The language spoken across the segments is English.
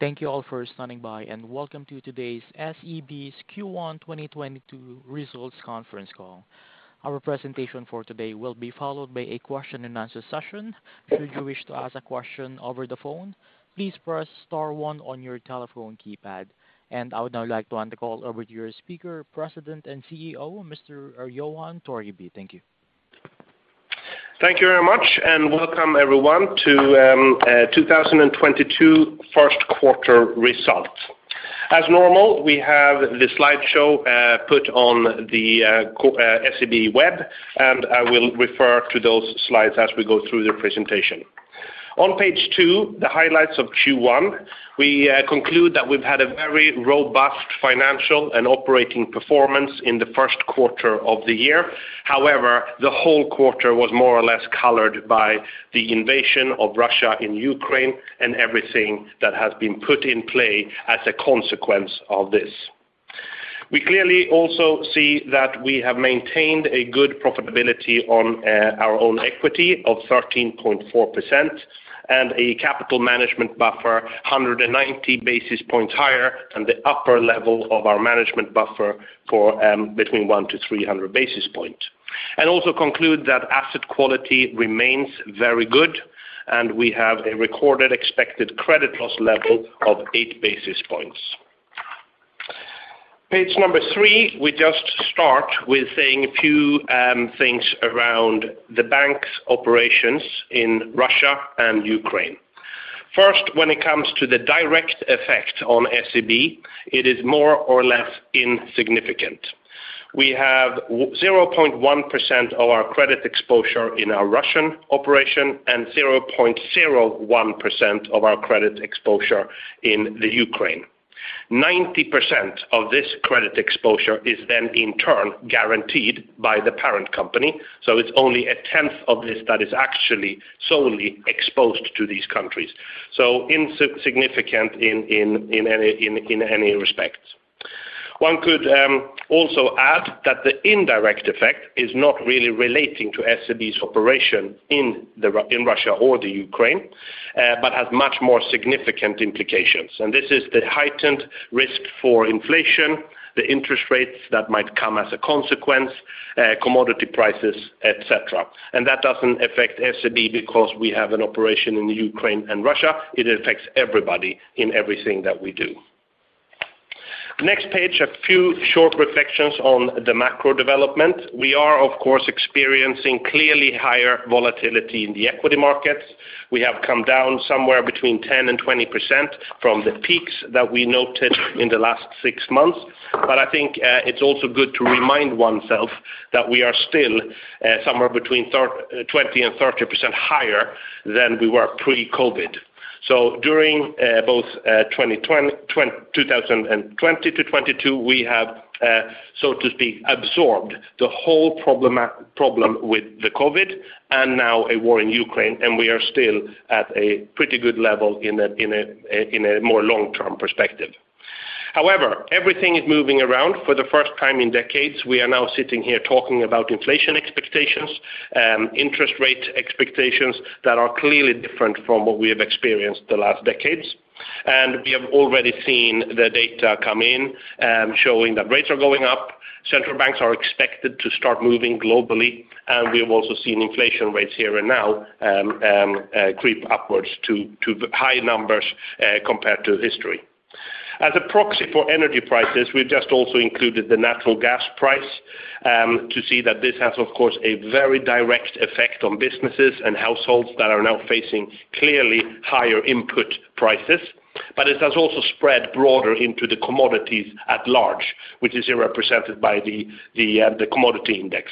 Thank you all for standing by, and welcome to today's SEB's Q1 2022 Results Conference Call. Our presentation for today will be followed by a question-and-answer session. Should you wish to ask a question over the phone, please press star one on your telephone keypad. I would now like to hand the call over to your speaker, President and CEO, Mr. Johan Torgeby. Thank you. Thank you very much, and welcome everyone to 2022 first quarter results. As normal, we have the slideshow put on the SEB web, and I will refer to those slides as we go through the presentation. On page two, the highlights of Q1, we conclude that we've had a very robust financial and operating performance in the first quarter of the year. However, the whole quarter was more or less colored by the invasion of Russia in Ukraine and everything that has been put in play as a consequence of this. We clearly also see that we have maintained a good profitability on our own equity of 13.4% and a capital management buffer 190 basis points higher than the upper level of our management buffer for between 100-300 basis points. Also conclude that asset quality remains very good, and we have a recorded expected credit loss level of 8 basis points. Page number three, we just start with saying a few things around the bank's operations in Russia and Ukraine. First, when it comes to the direct effect on SEB, it is more or less insignificant. We have 0.1% of our credit exposure in our Russian operation and 0.01% of our credit exposure in the Ukraine. 90% of this credit exposure is then in turn guaranteed by the parent company, so it's only a tenth of this that is actually solely exposed to these countries. Insignificant in any respect. One could also add that the indirect effect is not really relating to SEB's operation in Russia or Ukraine, but has much more significant implications. This is the heightened risk for inflation, the interest rates that might come as a consequence, commodity prices, et cetera. That doesn't affect SEB because we have an operation in Ukraine and Russia. It affects everybody in everything that we do. Next page, a few short reflections on the macro development. We are, of course, experiencing clearly higher volatility in the equity markets. We have come down somewhere between 10%-20% from the peaks that we noted in the last six months. I think it's also good to remind oneself that we are still somewhere between 20%-30% higher than we were pre-COVID. During both 2020-2022, we have, so to speak, absorbed the whole problem with the COVID and now a war in Ukraine, and we are still at a pretty good level in a more long-term perspective. However, everything is moving around for the first time in decades. We are now sitting here talking about inflation expectations, interest rate expectations that are clearly different from what we have experienced the last decades. We have already seen the data come in, showing that rates are going up. Central banks are expected to start moving globally, and we have also seen inflation rates here and now, creep upwards to high numbers, compared to history. As a proxy for energy prices, we've just also included the natural gas price to see that this has, of course, a very direct effect on businesses and households that are now facing clearly higher input prices. It has also spread broader into the commodities at large, which is here represented by the commodity index.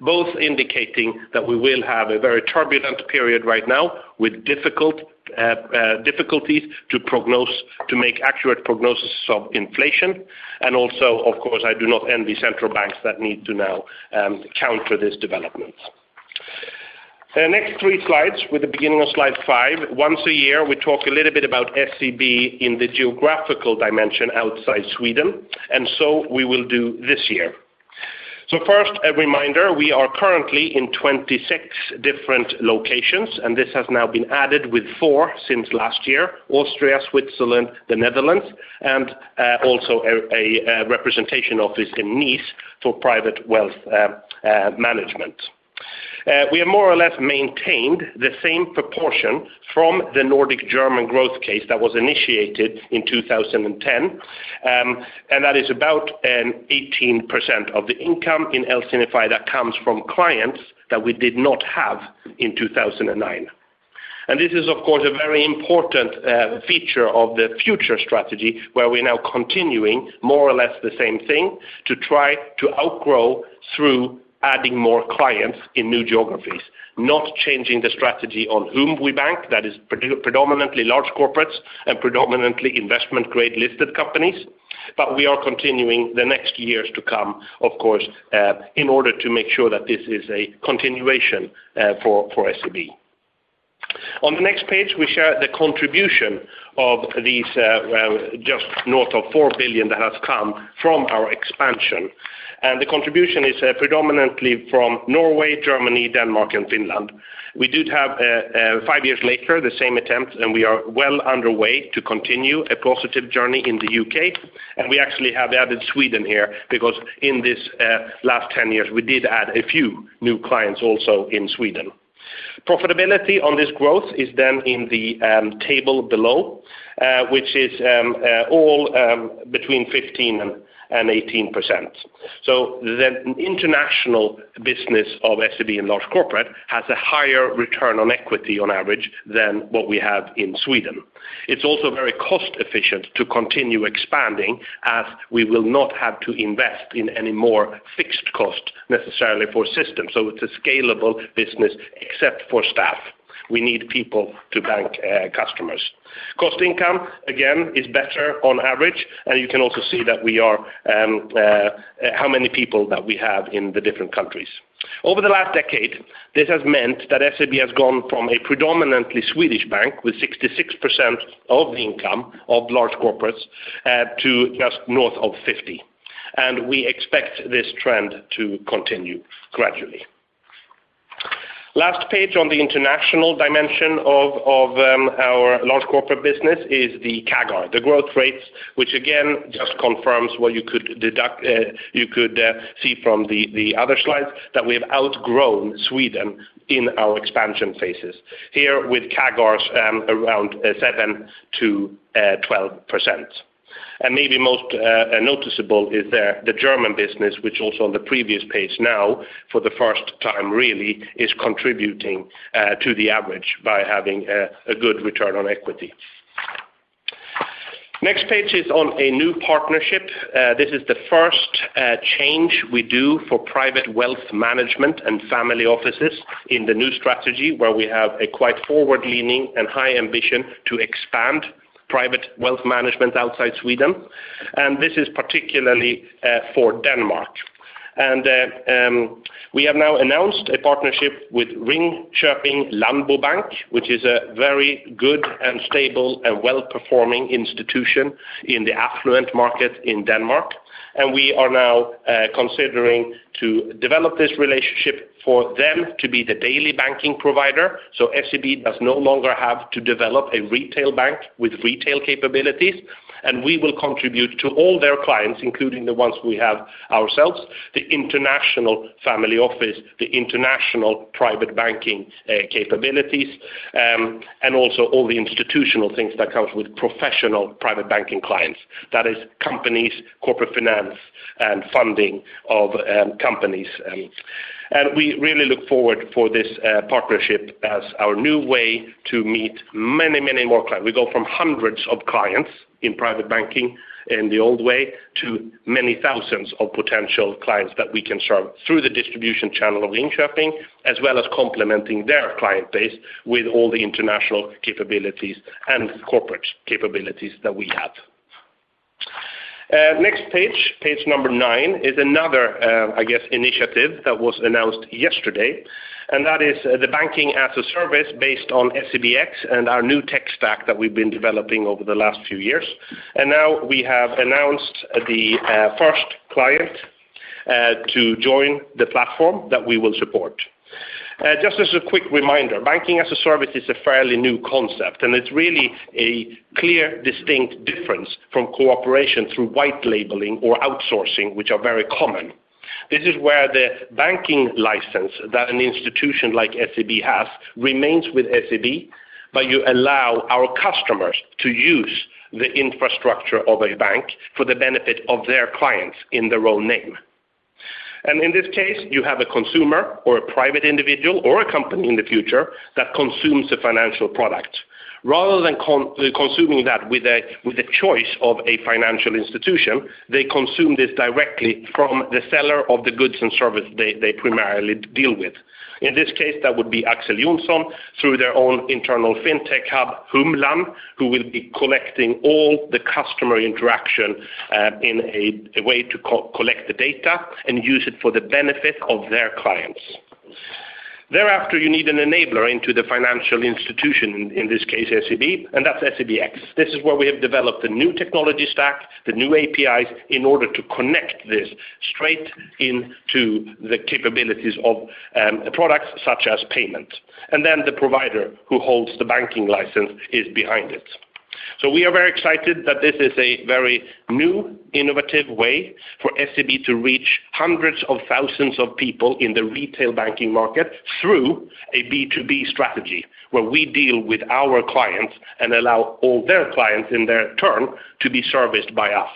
Both indicating that we will have a very turbulent period right now with difficulties to prognose, to make accurate prognosis of inflation. Also, of course, I do not envy central banks that need to now counter this development. The next three slides, with the beginning of slide five, once a year, we talk a little bit about SEB in the geographical dimension outside Sweden, and so we will do this year. First, a reminder, we are currently in 26 different locations, and this has now been added with four since last year, Austria, Switzerland, the Netherlands, and also a representation office in Nice for private wealth management. We have more or less maintained the same proportion from the Nordic-German growth case that was initiated in 2010. And that is about 18% of the income in LC&FI that comes from clients that we did not have in 2009. This is, of course, a very important feature of the future strategy, where we're now continuing more or less the same thing to try to outgrow through adding more clients in new geographies, not changing the strategy on whom we bank. That is predominantly large corporates and predominantly investment-grade listed companies. We are continuing the next years to come, of course, in order to make sure that this is a continuation for SEB. On the next page, we share the contribution of these, just north of 4 billion that has come from our expansion. The contribution is predominantly from Norway, Germany, Denmark, and Finland. We did have five years later the same attempt, and we are well underway to continue a positive journey in the UK. We actually have added Sweden here because in this last 10 years, we did add a few new clients also in Sweden. Profitability on this growth is then in the table below, which is all between 15%-18%. The international business of SEB in Large Corporates has a higher return on equity on average than what we have in Sweden. It's also very cost-efficient to continue expanding as we will not have to invest in any more fixed cost necessarily for systems. It's a scalable business except for staff. We need people to bank customers. Cost income, again, is better on average, and you can also see that we are how many people that we have in the different countries. Over the last decade, this has meant that SEB has gone from a predominantly Swedish bank with 66% of the income of Large Corporates to just north of 50, and we expect this trend to continue gradually. Last page on the international dimension of our Large Corporates business is the CAGR, the growth rates, which again just confirms what you could see from the other slides that we have outgrown Sweden in our expansion phases. Here with CAGRs around 7%-12%. Maybe most noticeable is the German business, which also on the previous page now for the first time really is contributing to the average by having a good return on equity. Next page is on a new partnership. This is the first change we do for private wealth management and family offices in the new strategy, where we have a quite forward-leaning and high ambition to expand private wealth management outside Sweden. This is particularly for Denmark. We have now announced a partnership with Ringkjøbing Landbobank, which is a very good and stable and well-performing institution in the affluent market in Denmark. We are now considering to develop this relationship for them to be the daily banking provider. SEB does no longer have to develop a retail bank with retail capabilities. We will contribute to all their clients, including the ones we have ourselves, the international family office, the international private banking capabilities, and also all the institutional things that comes with professional private banking clients. That is companies, corporate finance, and funding of companies. We really look forward for this partnership as our new way to meet many, many more clients. We go from hundreds of clients in private banking in the old way to many thousands of potential clients that we can serve through the distribution channel of Ringkjøbing, as well as complementing their client base with all the international capabilities and corporate capabilities that we have. Next page number nine, is another, I guess, initiative that was announced yesterday, and that is the banking-as-a-service based on SEBx and our new tech stack that we've been developing over the last few years. Now we have announced the first client to join the platform that we will support. Just as a quick reminder, banking-as-a-service is a fairly new concept, and it's really a clear, distinct difference from cooperation through white labeling or outsourcing, which are very common. This is where the banking license that an institution like SEB has remains with SEB, but you allow our customers to use the infrastructure of a bank for the benefit of their clients in their own name. In this case, you have a consumer or a private individual or a company in the future that consumes a financial product. Rather than consuming that with a choice of a financial institution, they consume this directly from the seller of the goods and service they primarily deal with. In this case, that would be Axel Johnson through their own internal fintech hub, Humla, who will be collecting all the customer interaction in a way to collect the data and use it for the benefit of their clients. Thereafter, you need an enabler into the financial institution, in this case, SEB, and that's SEBx. This is where we have developed the new technology stack, the new APIs, in order to connect this straight into the capabilities of products such as payment. The provider who holds the banking license is behind it. We are very excited that this is a very new, innovative way for SEB to reach hundreds of thousands of people in the retail banking market through a B2B strategy, where we deal with our clients and allow all their clients in their turn to be serviced by us.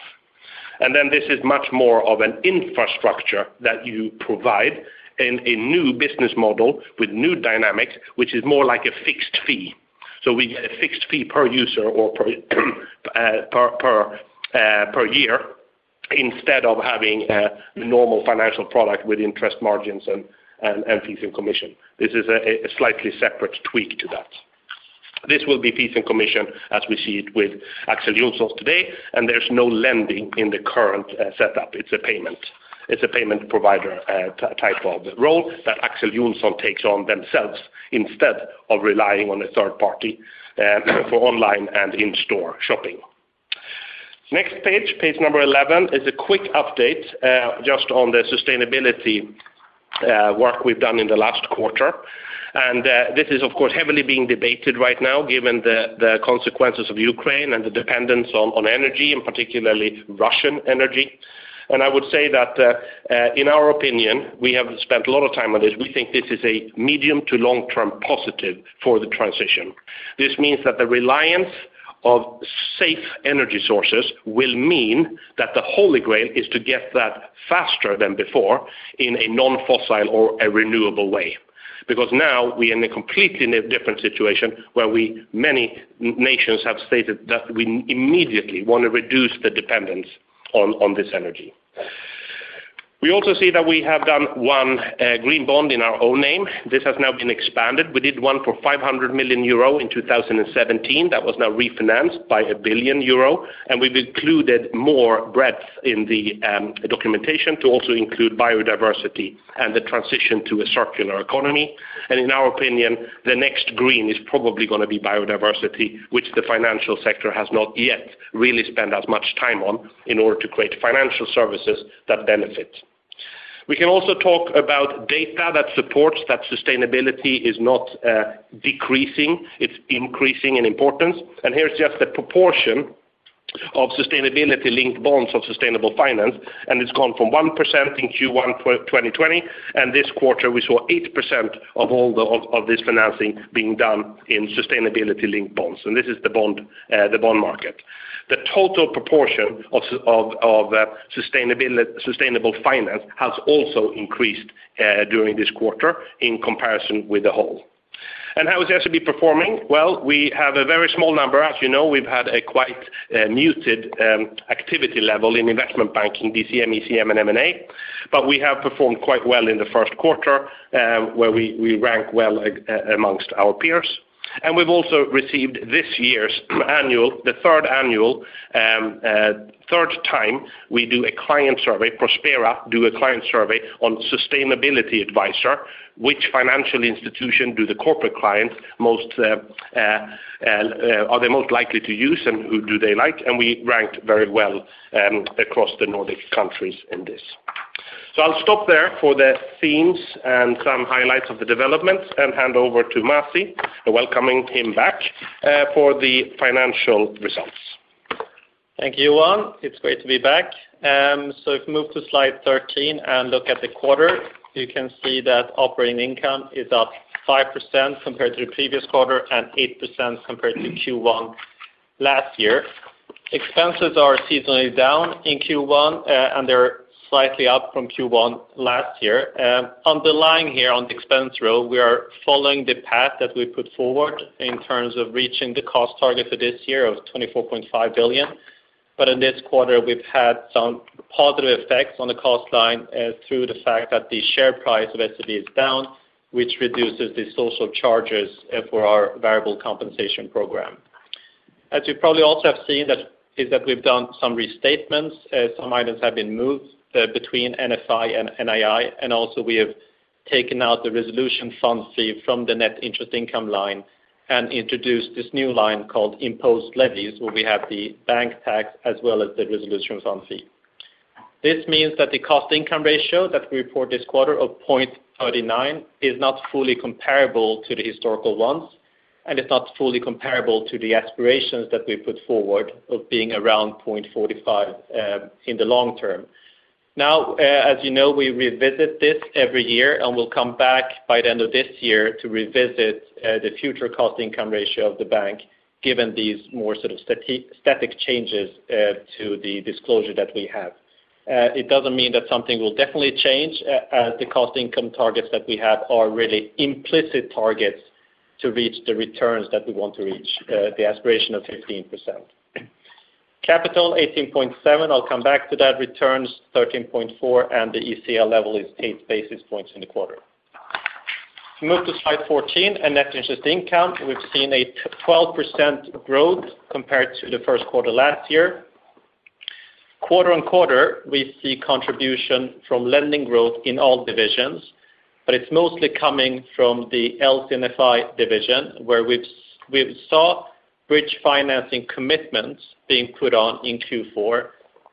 This is much more of an infrastructure that you provide in a new business model with new dynamics, which is more like a fixed fee. We get a fixed fee per user or per year instead of having a normal financial product with interest margins and fees and commission. This is a slightly separate tweak to that. This will be fees and commission as we see it with Axel Johnson today, and there's no lending in the current setup. It's a payment provider type of role that Axel Johnson takes on themselves instead of relying on a third party for online and in-store shopping. Next page number 11 is a quick update just on the sustainability work we've done in the last quarter. This is of course heavily being debated right now given the consequences of Ukraine and the dependence on energy, and particularly Russian energy. I would say that in our opinion, we have spent a lot of time on this. We think this is a medium to long-term positive for the transition. This means that the reliance of safe energy sources will mean that the holy grail is to get that faster than before in a non-fossil or a renewable way. Because now we are in a completely different situation where many nations have stated that we immediately wanna reduce the dependence on this energy. We also see that we have done one green bond in our own name. This has now been expanded. We did one for 500 million euro in 2017. That was now refinanced by 1 billion euro, and we've included more breadth in the documentation to also include biodiversity and the transition to a circular economy. In our opinion, the next green is probably gonna be biodiversity, which the financial sector has not yet really spent as much time on in order to create financial services that benefit. We can also talk about data that supports that sustainability is not decreasing. It's increasing in importance. Here's just the proportion of sustainability-linked bonds of sustainable finance, and it's gone from 1% in Q1 2020, and this quarter we saw 8% of all this financing being done in sustainability-linked bonds. This is the bond market. The total proportion of sustainable finance has also increased during this quarter in comparison with the whole. How is SEB performing? Well, we have a very small number. As you know, we've had a quite muted activity level in investment banking, DCM, ECM, and M&A, but we have performed quite well in the first quarter, where we rank well among our peers. We've also received this year's annual. The third time we do a client survey. Prospera does a client survey on sustainability advice, which financial institution the corporate clients are most likely to use and who they like, and we ranked very well across the Nordic countries in this. I'll stop there for the themes and some highlights of the developments and hand over to Masih, welcoming him back, for the financial results. Thank you, Johan Torgeby. It's great to be back. If you move to slide 13 and look at the quarter, you can see that operating income is up 5% compared to the previous quarter and 8% compared to Q1 last year. Expenses are seasonally down in Q1, and they're slightly up from Q1 last year. Underlying here on the expense row, we are following the path that we put forward in terms of reaching the cost target for this year of 24.5 billion. In this quarter, we've had some positive effects on the cost line, through the fact that the share price of SEB is down, which reduces the social charges, for our variable compensation program. As you probably also have seen, that is, we've done some restatements. Some items have been moved between NFI and NII, and also we have taken out the resolution fund fee from the net interest income line and introduced this new line called imposed levies, where we have the bank tax as well as the resolution fund fee. This means that the cost income ratio that we report this quarter of 0.39 is not fully comparable to the historical ones, and it's not fully comparable to the aspirations that we put forward of being around 0.45 in the long term. Now, as you know, we revisit this every year, and we'll come back by the end of this year to revisit the future cost income ratio of the bank given these more sort of static changes to the disclosure that we have. It doesn't mean that something will definitely change, as the cost income targets that we have are really implicit targets to reach the returns that we want to reach, the aspiration of 15%. Capital 18.7, I'll come back to that. Returns, 13.4, and the ECL level is eight basis points in the quarter. If you move to slide 14, net interest income. We've seen a 12% growth compared to the first quarter last year. Quarter on quarter, we see contribution from lending growth in all divisions, but it's mostly coming from the LC&FI division, where we saw bridge financing commitments being put on in Q4,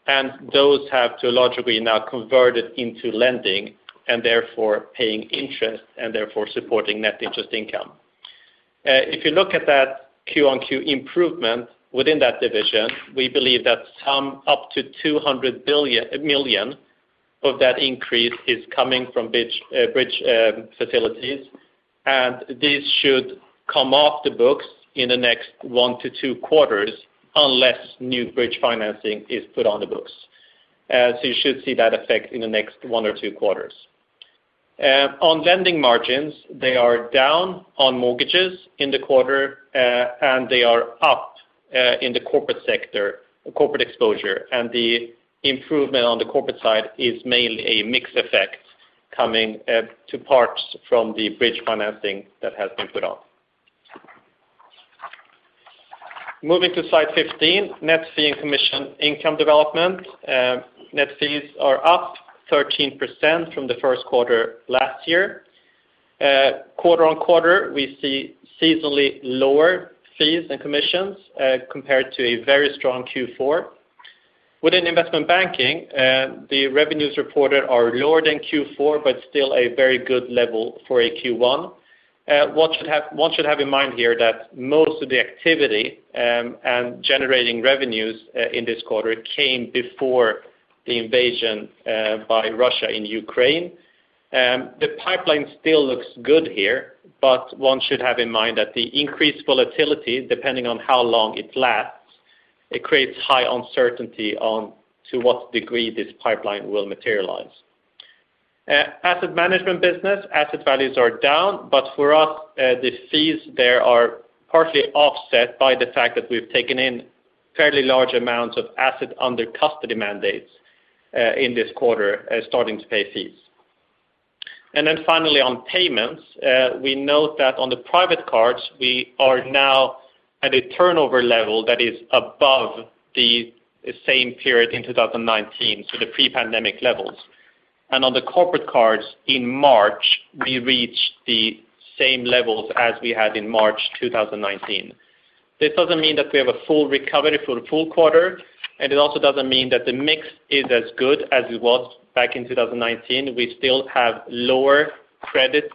and those have now logically converted into lending, and therefore paying interest, and therefore supporting net interest income. If you look at that Q-on-Q improvement within that division, we believe that up to 200 million of that increase is coming from bridge facilities, and this should come off the books in the next one-two quarters unless new bridge financing is put on the books. You should see that effect in the next one or two quarters. On lending margins, they are down on mortgages in the quarter, and they are up in the corporate sector, corporate exposure. The improvement on the corporate side is mainly a mix effect coming in part from the bridge financing that has been put on. Moving to slide 15, net fee and commission income development. Net fees are up 13% from the first quarter last year. Quarter-on-quarter, we see seasonally lower fees and commissions compared to a very strong Q4. Within investment banking, the revenues reported are lower than Q4 but still a very good level for a Q1. One should have in mind here that most of the activity and generating revenues in this quarter came before the invasion by Russia in Ukraine. The pipeline still looks good here, but one should have in mind that the increased volatility, depending on how long it lasts, creates high uncertainty on to what degree this pipeline will materialize. Asset management business, asset values are down, but for us, the fees there are partially offset by the fact that we've taken in fairly large amounts of assets under custody mandates, in this quarter, starting to pay fees. Finally on payments, we note that on the private cards, we are now at a turnover level that is above the same period in 2019, so the pre-pandemic levels. On the corporate cards in March, we reached the same levels as we had in March 2019. This doesn't mean that we have a full recovery for the full quarter, and it also doesn't mean that the mix is as good as it was back in 2019. We still have lower credits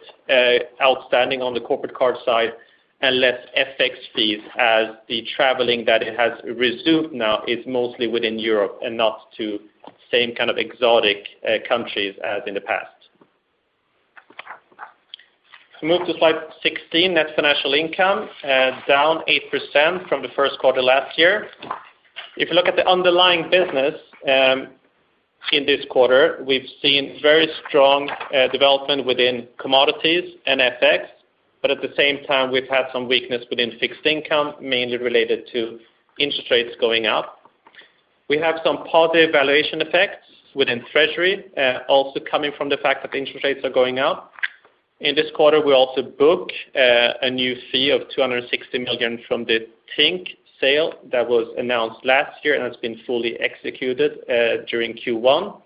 outstanding on the corporate card side and less FX fees as the traveling that it has resumed now is mostly within Europe and not to same kind of exotic countries as in the past. If we move to slide 16, net financial income down 8% from the first quarter last year. If you look at the underlying business in this quarter, we've seen very strong development within commodities and FX, but at the same time we've had some weakness within fixed income, mainly related to interest rates going up. We have some positive valuation effects within treasury also coming from the fact that interest rates are going up. In this quarter, we also book a new fee of 260 million from the Tink sale that was announced last year and has been fully executed during Q1.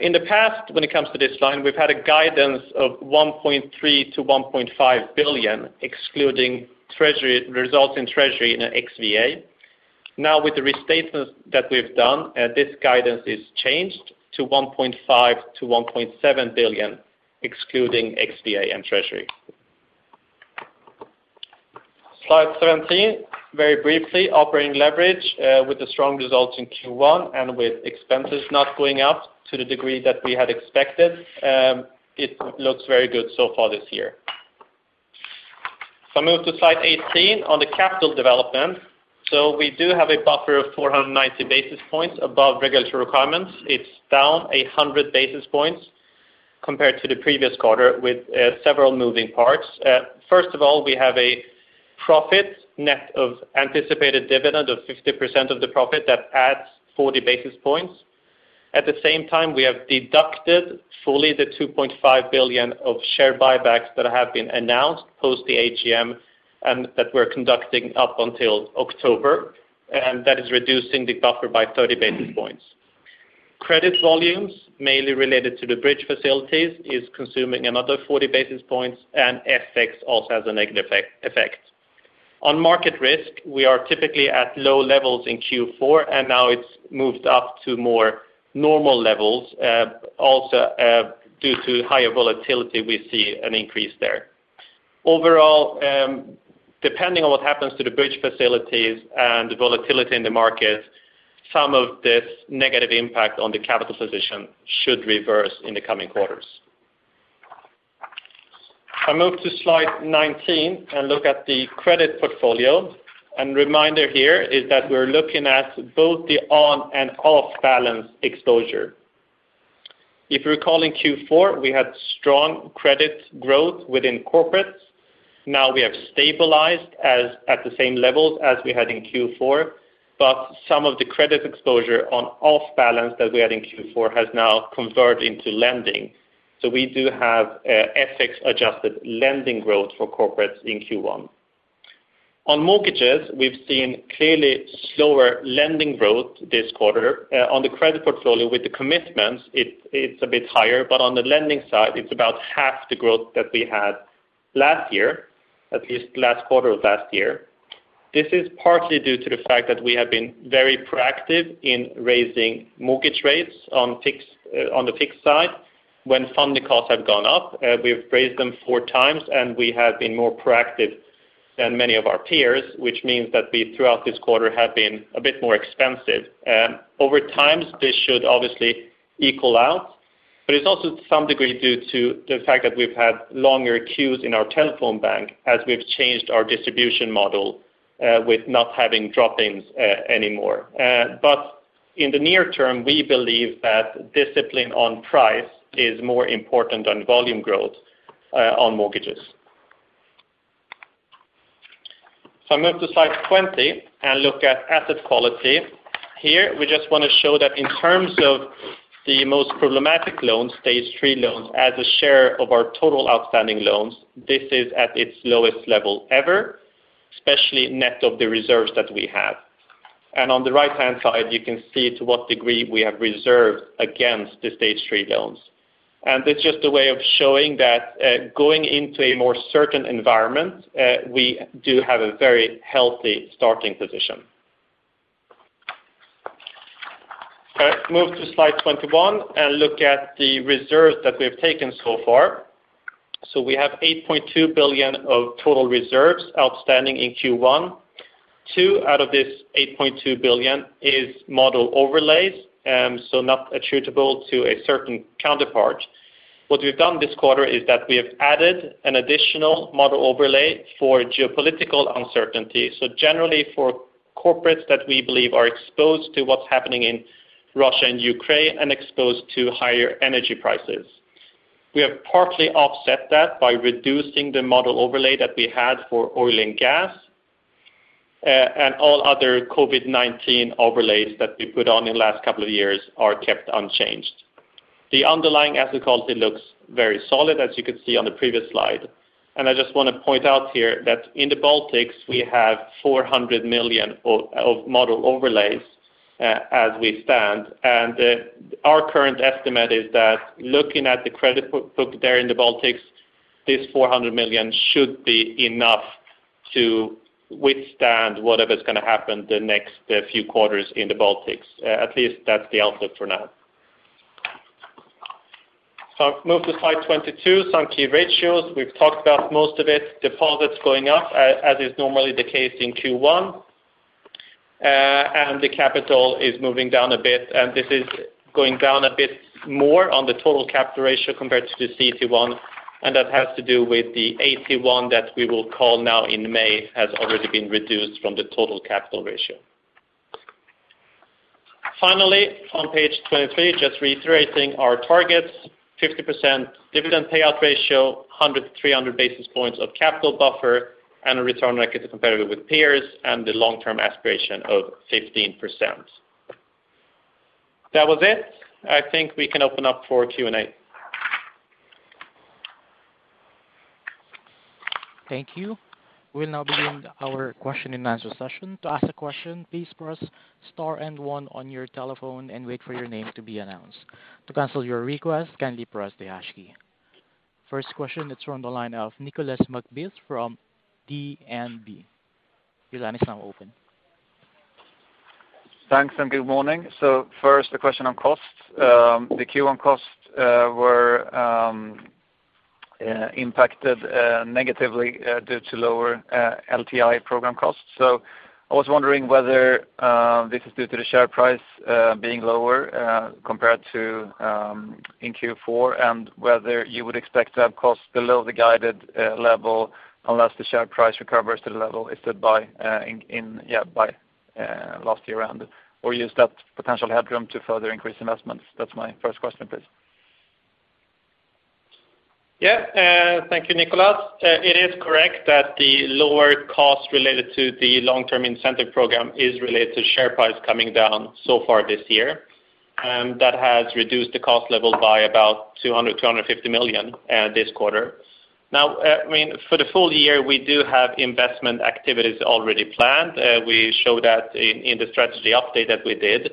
In the past, when it comes to this line, we've had a guidance of 1.3 billion-1.5 billion excluding treasury results in treasury in XVA. Now with the restatements that we've done, this guidance is changed to 1.5 billion-1.7 billion excluding XVA and treasury. Slide 17, very briefly, operating leverage, with the strong results in Q1 and with expenses not going up to the degree that we had expected, it looks very good so far this year. If I move to Slide 18 on the capital development. We do have a buffer of 490 basis points above regulatory requirements. It's down 100 basis points compared to the previous quarter with several moving parts. First of all, we have a profit net of anticipated dividend of 50% of the profit. That adds 40 basis points. At the same time, we have deducted fully the 2.5 billion of share buybacks that have been announced post the AGM and that we're conducting up until October, and that is reducing the buffer by 30 basis points. Credit volumes, mainly related to the bridge facilities, is consuming another 40 basis points, and FX also has a negative effect. On market risk, we are typically at low levels in Q4, and now it's moved up to more normal levels. Also, due to higher volatility, we see an increase there. Overall, depending on what happens to the bridge facilities and the volatility in the market, some of this negative impact on the capital position should reverse in the coming quarters. If I move to slide 19 and look at the credit portfolio, and reminder here is that we're looking at both the on- and off-balance exposure. If you recall, in Q4, we had strong credit growth within corporates. Now we have stabilized at the same levels as we had in Q4, but some of the credit exposure off-balance that we had in Q4 has now converted into lending. So we do have FX adjusted lending growth for corporates in Q1. On mortgages, we've seen clearly slower lending growth this quarter. On the credit portfolio with the commitments, it's a bit higher, but on the lending side, it's about half the growth that we had last year, at least last quarter of last year. This is partly due to the fact that we have been very proactive in raising mortgage rates on the fixed side when funding costs have gone up. We've raised them 4, and we have been more proactive than many of our peers, which means that we, throughout this quarter, have been a bit more expensive. Over time, this should obviously equal out, but it's also to some degree due to the fact that we've had longer queues in our telephone bank as we've changed our distribution model, with not having drop-ins anymore. In the near term, we believe that discipline on price is more important than volume growth on mortgages. If I move to slide 20 and look at asset quality. Here, we just wanna show that in terms of the most problematic loans, stage three loans, as a share of our total outstanding loans, this is at its lowest level ever, especially net of the reserves that we have. On the right-hand side, you can see to what degree we have reserved against the stage three loans. It's just a way of showing that, going into a more certain environment, we do have a very healthy starting position. Let's move to slide 21 and look at the reserves that we have taken so far. We have 8.2 billion of total reserves outstanding in Q1. Two out of this 8.2 billion is model overlays, so not attributable to a certain counterpart. What we've done this quarter is that we have added an additional model overlay for geopolitical uncertainty. So generally for corporates that we believe are exposed to what's happening in Russia and Ukraine and exposed to higher energy prices. We have partly offset that by reducing the model overlay that we had for oil and gas. And all other COVID-19 overlays that we put on in the last couple of years are kept unchanged. The underlying asset quality looks very solid, as you could see on the previous slide. I just want to point out here that in the Baltics, we have 400 million of model overlays as we stand. Our current estimate is that looking at the credit book there in the Baltics, this 400 million should be enough to withstand whatever is going to happen the next few quarters in the Baltics. At least that's the outlook for now. Move to slide 22, some key ratios. We've talked about most of it. Deposits going up, as is normally the case in Q1. The capital is moving down a bit, and this is going down a bit more on the total capital ratio compared to the CET1, and that has to do with the AT1 that we will call now in May has already been reduced from the total capital ratio. Finally, on page 23, just reiterating our targets, 50% dividend payout ratio, 100-300 basis points of capital buffer and a return on equity competitive with peers and the long-term aspiration of 15%. That was it. I think we can open up for Q&A. Thank you. We'll now begin our question and answer session. To ask a question, please press star and one on your telephone and wait for your name to be announced. To cancel your request, kindly press the hash key. First question, it's from the line of Nicolas McBeath from DNB. Your line is now open. Thanks, and good morning. First, a question on costs. The Q1 costs were impacted negatively due to lower LTI program costs. I was wondering whether this is due to the share price being lower compared to in Q4 and whether you would expect to have costs below the guided level unless the share price recovers to the level it stood at around last year. Use that potential headroom to further increase investments. That's my first question, please. Yeah. Thank you, Nicholas. It is correct that the lower cost related to the long-term incentive program is related to share price coming down so far this year. That has reduced the cost level by about 200-250 million this quarter. Now, I mean, for the full year, we do have investment activities already planned. We show that in the strategy update that we did.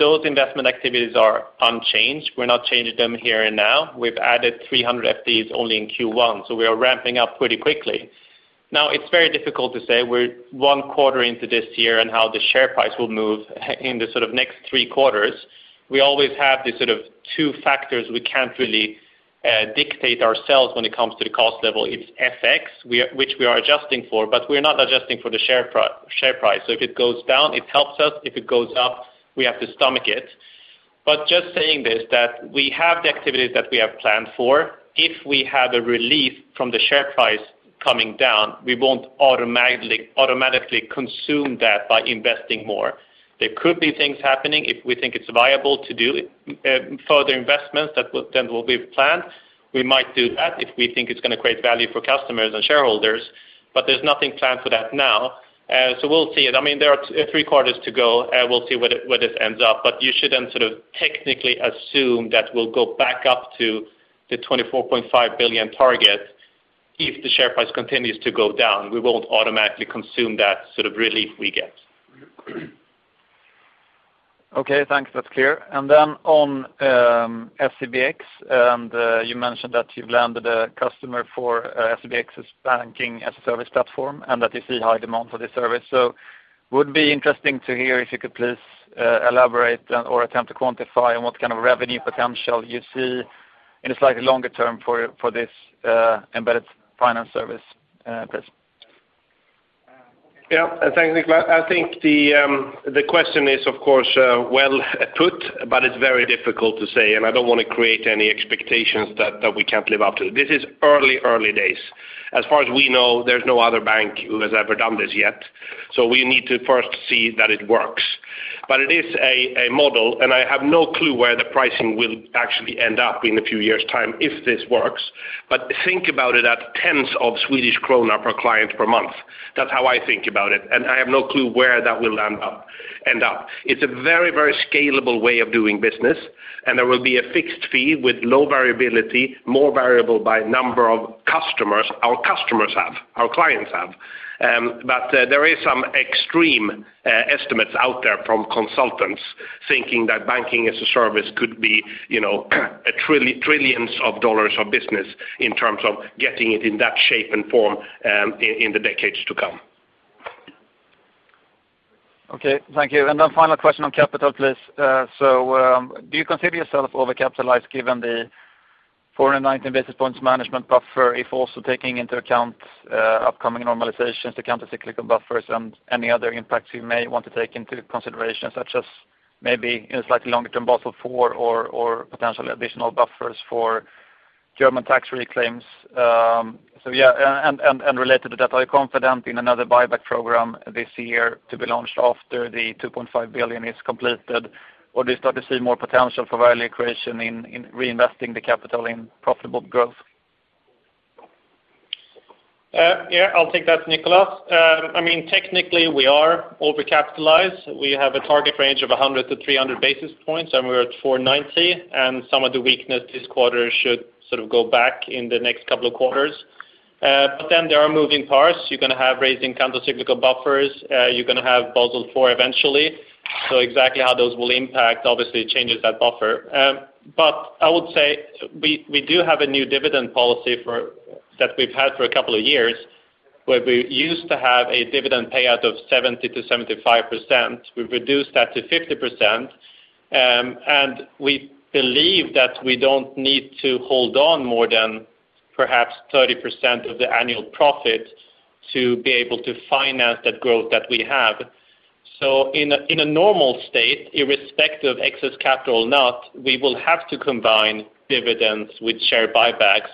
Those investment activities are unchanged. We're not changing them here and now. We've added 300 FTEs only in Q1, so we are ramping up pretty quickly. Now, it's very difficult to say we're one quarter into this year and how the share price will move in the sort of next three quarters. We always have these sort of two factors we can't really dictate ourselves when it comes to the cost level. It's FX, which we are adjusting for, but we're not adjusting for the share price. If it goes down, it helps us. If it goes up, we have to stomach it. Just saying this, that we have the activities that we have planned for. If we have a relief from the share price coming down, we won't automatically consume that by investing more. There could be things happening if we think it's viable to do further investments that will then be planned. We might do that if we think it's going to create value for customers and shareholders, but there's nothing planned for that now. We'll see. There are two three quarters to go. We'll see where this ends up, but you shouldn't sort of technically assume that we'll go back up to the 24.5 billion target if the share price continues to go down. We won't automatically consume that sort of relief we get. Okay, thanks. That's clear. On SEBx, you mentioned that you've landed a customer for SEBx's banking as a service platform and that you see high demand for this service. Would be interesting to hear if you could please elaborate or attempt to quantify what kind of revenue potential you see in a slightly longer term for this embedded finance service, please. Yeah. Thanks, Nicolas. I think the question is, of course, well put, but it's very difficult to say, and I don't wanna create any expectations that we can't live up to. This is early days. As far as we know, there's no other bank who has ever done this yet. We need to first see that it works. It is a model, and I have no clue where the pricing will actually end up in a few years' time if this works. Think about it at tens of SEK per client per month. That's how I think about it, and I have no clue where that will end up. It's a very, very scalable way of doing business. There will be a fixed fee with low variability, more variable by number of customers our customers have, our clients have. There is some extreme estimates out there from consultants thinking that banking as a service could be, you know, trillions of dollars of business in terms of getting it in that shape and form, in the decades to come. Okay. Thank you. Final question on capital, please. So, do you consider yourself overcapitalized given the 419 basis points management buffer if also taking into account upcoming normalizations, the countercyclical buffers, and any other impacts you may want to take into consideration, such as maybe in a slightly longer-term Basel IV or potentially additional buffers for German tax reclaims? Related to that, are you confident in another buyback program this year to be launched after the 2.5 billion is completed? Or do you start to see more potential for value creation in reinvesting the capital in profitable growth? Yeah, I'll take that, Nicolas. I mean, technically we are overcapitalized. We have a target range of 100-300 basis points, and we're at 490. Some of the weakness this quarter should sort of go back in the next couple of quarters. There are moving parts. You're gonna have rising countercyclical buffers. You're gonna have Basel IV eventually. Exactly how those will impact obviously changes that buffer. I would say we do have a new dividend policy that we've had for a couple of years, where we used to have a dividend payout of 70%-75%. We've reduced that to 50%. We believe that we don't need to hold on more than perhaps 30% of the annual profit to be able to finance that growth that we have. In a normal state, irrespective of excess capital or not, we will have to combine dividends with share buybacks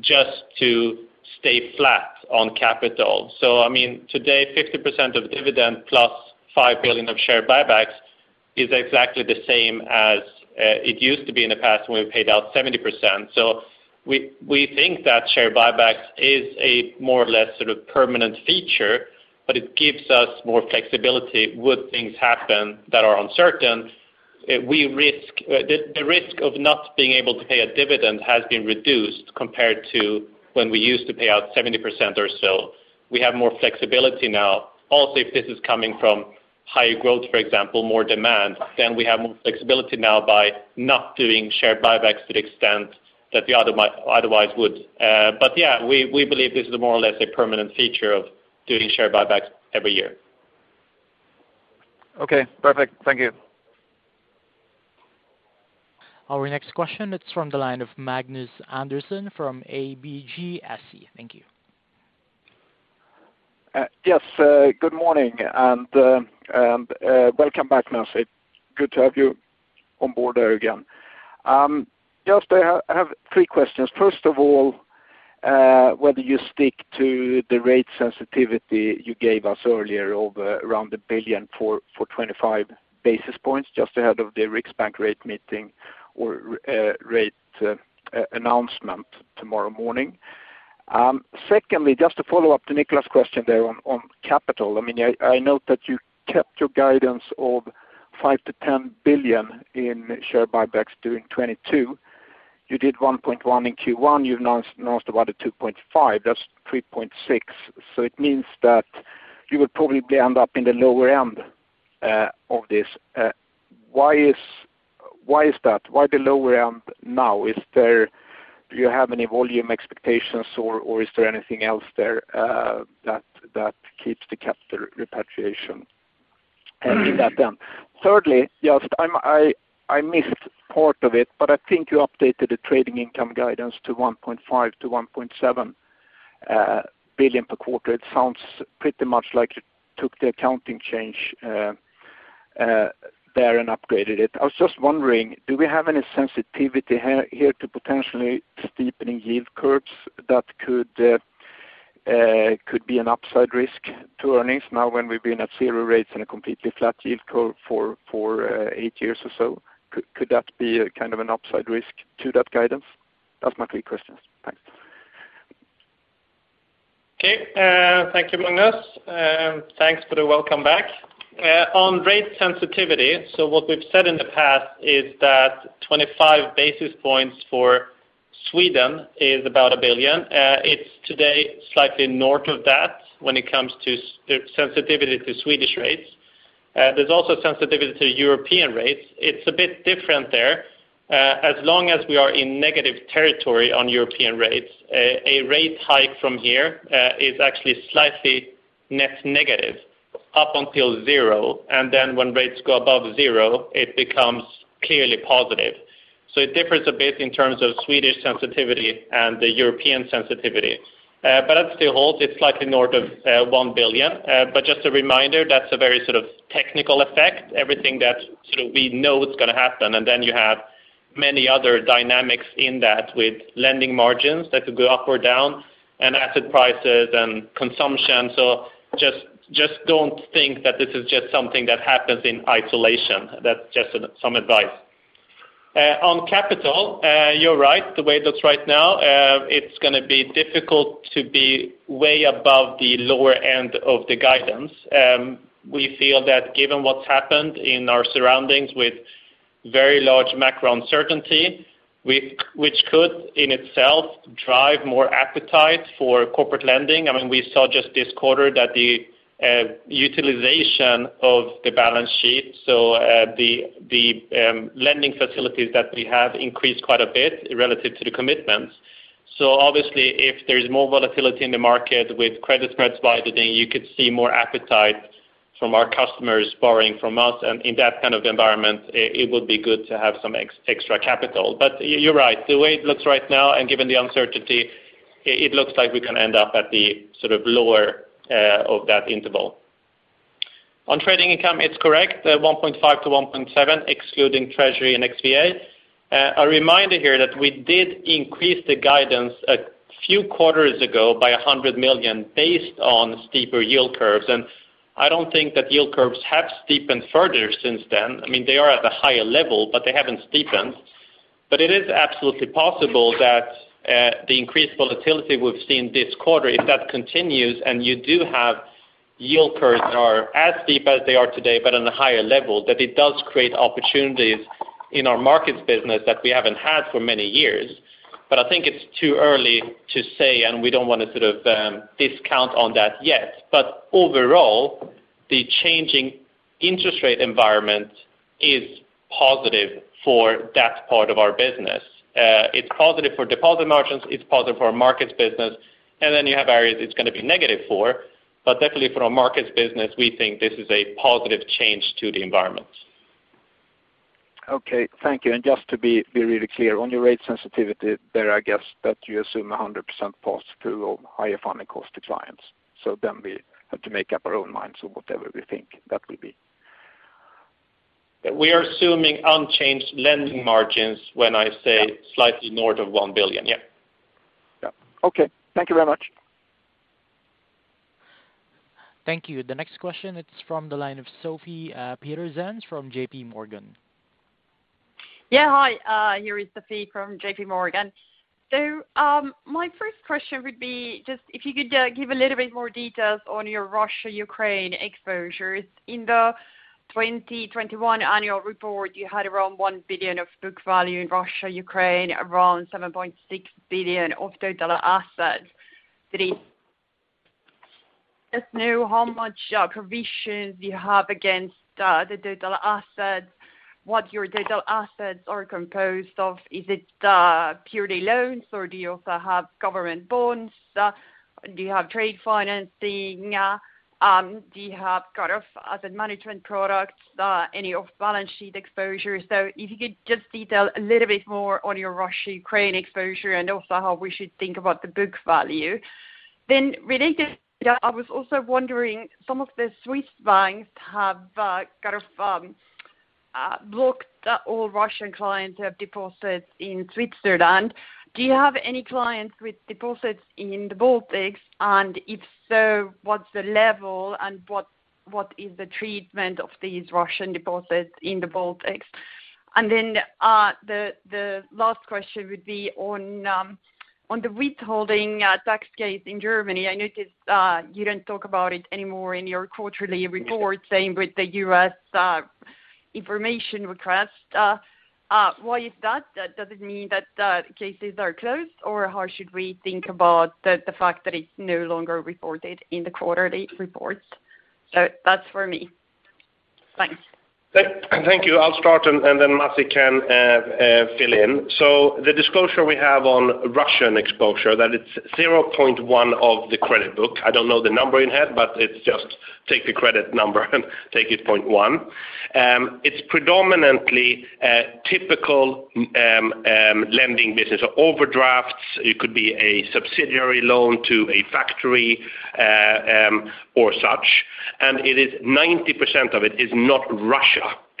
just to stay flat on capital. I mean, today, 50% of dividend plus 5 billion of share buybacks is exactly the same as it used to be in the past when we paid out 70%. We think that share buybacks is a more or less sort of permanent feature, but it gives us more flexibility would things happen that are uncertain. The risk of not being able to pay a dividend has been reduced compared to when we used to pay out 70% or so. We have more flexibility now. Also, if this is coming from higher growth, for example, more demand, then we have more flexibility now by not doing share buybacks to the extent that we otherwise would. Yeah, we believe this is more or less a permanent feature of doing share buybacks every year. Okay. Perfect. Thank you. Our next question, it's from the line of Magnus Andersson from ABGSC. Thank you. Yes, good morning and welcome back, Masih Yazdi. Good to have you on board there again. Just, I have three questions. First of all, whether you stick to the rate sensitivity you gave us earlier of around 1 billion for 25 basis points just ahead of the Riksbank rate meeting or rate announcement tomorrow morning. Secondly, just to follow up to Nicolas McBeath's question there on capital. I mean, I note that you kept your guidance of 5 billion-10 billion in share buybacks during 2022. You did 1.1 billion in Q1. You've announced about 2.5 billion. That's 3.6 billion. So it means that you will probably end up in the lower end of this. Why is that? Why the lower end now? Is there Do you have any volume expectations or is there anything else there that keeps the capital repatriation in that end? Thirdly, just I missed part of it, but I think you updated the trading income guidance to 1.5 billion-1.7 billion per quarter. It sounds pretty much like you took the accounting change there and upgraded it. I was just wondering, do we have any sensitivity here to potentially steepening yield curves that could be an upside risk to earnings now when we've been at zero rates and a completely flat yield curve for eight years or so? Could that be a kind of an upside risk to that guidance? That's my three questions. Thanks. Okay. Thank you, Magnus. Thanks for the welcome back. On rate sensitivity, what we've said in the past is that 25 basis points for Sweden is about 1 billion. It's today slightly north of that when it comes to sensitivity to Swedish rates. There's also sensitivity to European rates. It's a bit different there. As long as we are in negative territory on European rates, a rate hike from here is actually slightly net negative up until zero. Then when rates go above zero, it becomes clearly positive. It differs a bit in terms of Swedish sensitivity and the European sensitivity. That still holds. It's slightly north of 1 billion. Just a reminder, that's a very sort of technical effect. Everything that sort of we know is gonna happen, and then you have many other dynamics in that with lending margins that could go up or down and asset prices and consumption. Just don't think that this is just something that happens in isolation. That's just some advice. On capital, you're right. The way it looks right now, it's gonna be difficult to be way above the lower end of the guidance. We feel that given what's happened in our surroundings with very large macro uncertainty, which could in itself drive more appetite for corporate lending. I mean, we saw just this quarter that the utilization of the balance sheet, so, the lending facilities that we have increased quite a bit relative to the commitments. Obviously, if there is more volatility in the market with credit spreads widening, you could see more appetite from our customers borrowing from us, and in that kind of environment, it would be good to have some extra capital. You're right. The way it looks right now, and given the uncertainty, it looks like we can end up at the sort of lower end of that interval. On trading income, it's correct, 1.5-1.7, excluding treasury and XVA. A reminder here that we did increase the guidance a few quarters ago by 100 million based on steeper yield curves, and I don't think that yield curves have steepened further since then. I mean, they are at a higher level, but they haven't steepened. It is absolutely possible that, the increased volatility we've seen this quarter, if that continues and you do have yield curves are as steep as they are today, but on a higher level, that it does create opportunities in our markets business that we haven't had for many years. I think it's too early to say, and we don't wanna sort of, discount on that yet. Overall, the changing interest rate environment is positive for that part of our business. It's positive for deposit margins, it's positive for our markets business, and then you have areas it's gonna be negative for. Definitely from a markets business, we think this is a positive change to the environment. Okay. Thank you, and just to be really clear, on your rate sensitivity there, I guess that you assume 100% pass-through of higher funding cost to clients. We have to make up our own minds on whatever we think that will be. We are assuming unchanged lending margins when I say. Slightly north of 1 billion. Yeah. Yeah. Okay. Thank you very much. Thank you. The next question, it's from the line of Sofie Peterzens from JPMorgan. Hi, here is Sofie from J.P. Morgan. My first question would be just if you could give a little bit more details on your Russia-Ukraine exposures. In the 2021 annual report, you had around 1 billion of book value in Russia-Ukraine, around 7.6 billion of total assets. Do you know how much provisions you have against the total assets, what your total assets are composed of. Is it purely loans, or do you also have government bonds? Do you have trade financing? Do you have kind of asset management products, any off-balance sheet exposure? If you could just detail a little bit more on your Russia-Ukraine exposure, and also how we should think about the book value. Related, I was also wondering, some of the Swiss banks have kind of blocked all Russian clients who have deposits in Switzerland. Do you have any clients with deposits in the Baltics? And if so, what's the level and what is the treatment of these Russian deposits in the Baltics? The last question would be on the withholding tax case in Germany. I noticed you don't talk about it anymore in your quarterly report, same with the U.S. information request. Why is that? Does it mean that cases are closed, or how should we think about the fact that it's no longer reported in the quarterly reports? That's for me. Thanks. Thank you. I'll start, and then Masih can fill in. The disclosure we have on Russian exposure, that it's 0.1% of the credit book. I don't know the number in head, but it's just take the credit number and take it 0.1%. It's predominantly typical lending business. Overdrafts, it could be a subsidiary loan to a factory or such. It is 90% of it is not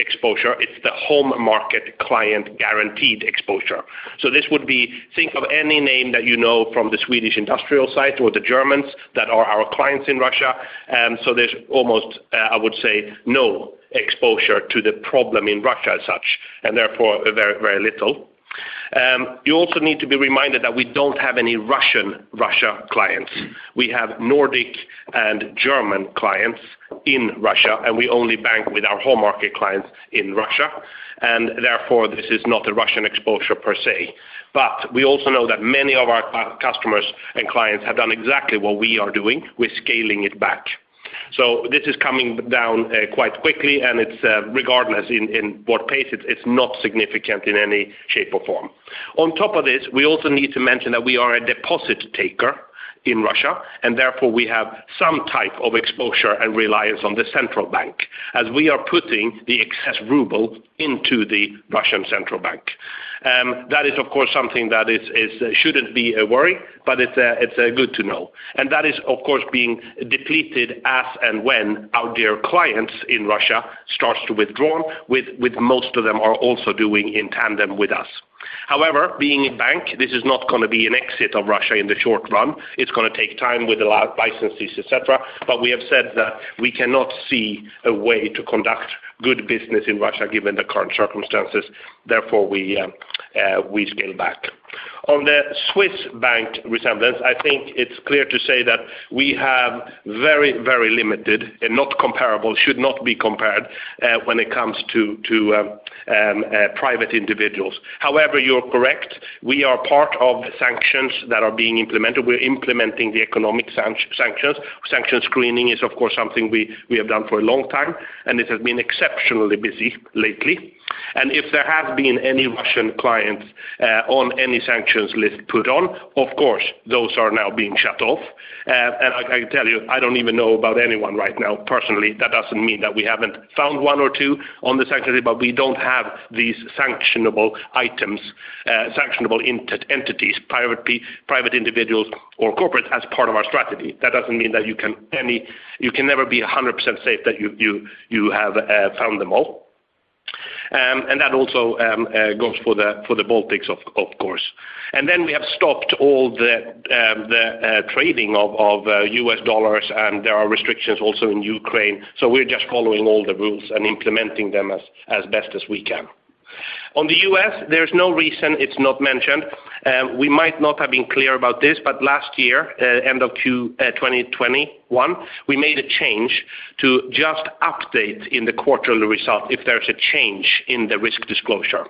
Russia exposure, it's the home market client guaranteed exposure. This would be, think of any name that you know from the Swedish industrial side or the Germans that are our clients in Russia. There's almost, I would say, no exposure to the problem in Russia as such, and therefore very, very little. You also need to be reminded that we don't have any Russian clients. We have Nordic and German clients in Russia, and we only bank with our home market clients in Russia, and therefore this is not a Russian exposure per se. We also know that many of our customers and clients have done exactly what we are doing. We're scaling it back. This is coming down quite quickly, and it's regardless of what pace, it's not significant in any shape or form. On top of this, we also need to mention that we are a deposit taker in Russia, and therefore we have some type of exposure and reliance on the Central Bank, as we are putting the excess ruble into the Russian Central Bank. Shouldn't be a worry, but it's good to know. That is, of course, being depleted as and when our dear clients in Russia starts to withdraw, with most of them are also doing in tandem with us. However, being a bank, this is not gonna be an exit of Russia in the short run. It's gonna take time with the licenses, et cetera. We have said that we cannot see a way to conduct good business in Russia given the current circumstances. Therefore we scale back. On the Swiss bank resemblance, I think it's clear to say that we have very, very limited and not comparable, should not be compared, when it comes to private individuals. However, you're correct. We are part of sanctions that are being implemented. We're implementing the economic sanctions. Sanctions screening is, of course, something we have done for a long time, and it has been exceptionally busy lately. If there has been any Russian clients on any sanctions list put on, of course, those are now being shut off. I can tell you, I don't even know about anyone right now personally. That doesn't mean that we haven't found one or two on the sanctions, but we don't have these sanctionable items, sanctionable entities, private individuals or corporate as part of our strategy. That doesn't mean that you can never be 100% safe that you've found them all. That also goes for the Baltics, of course. We have stopped all the trading of U.S. dollars. Dollars, and there are restrictions also in Ukraine. We're just following all the rules and implementing them as best as we can. On the U.S., there's no reason it's not mentioned. We might not have been clear about this, but last year, end of 2021, we made a change to just update in the quarterly result if there's a change in the risk disclosure.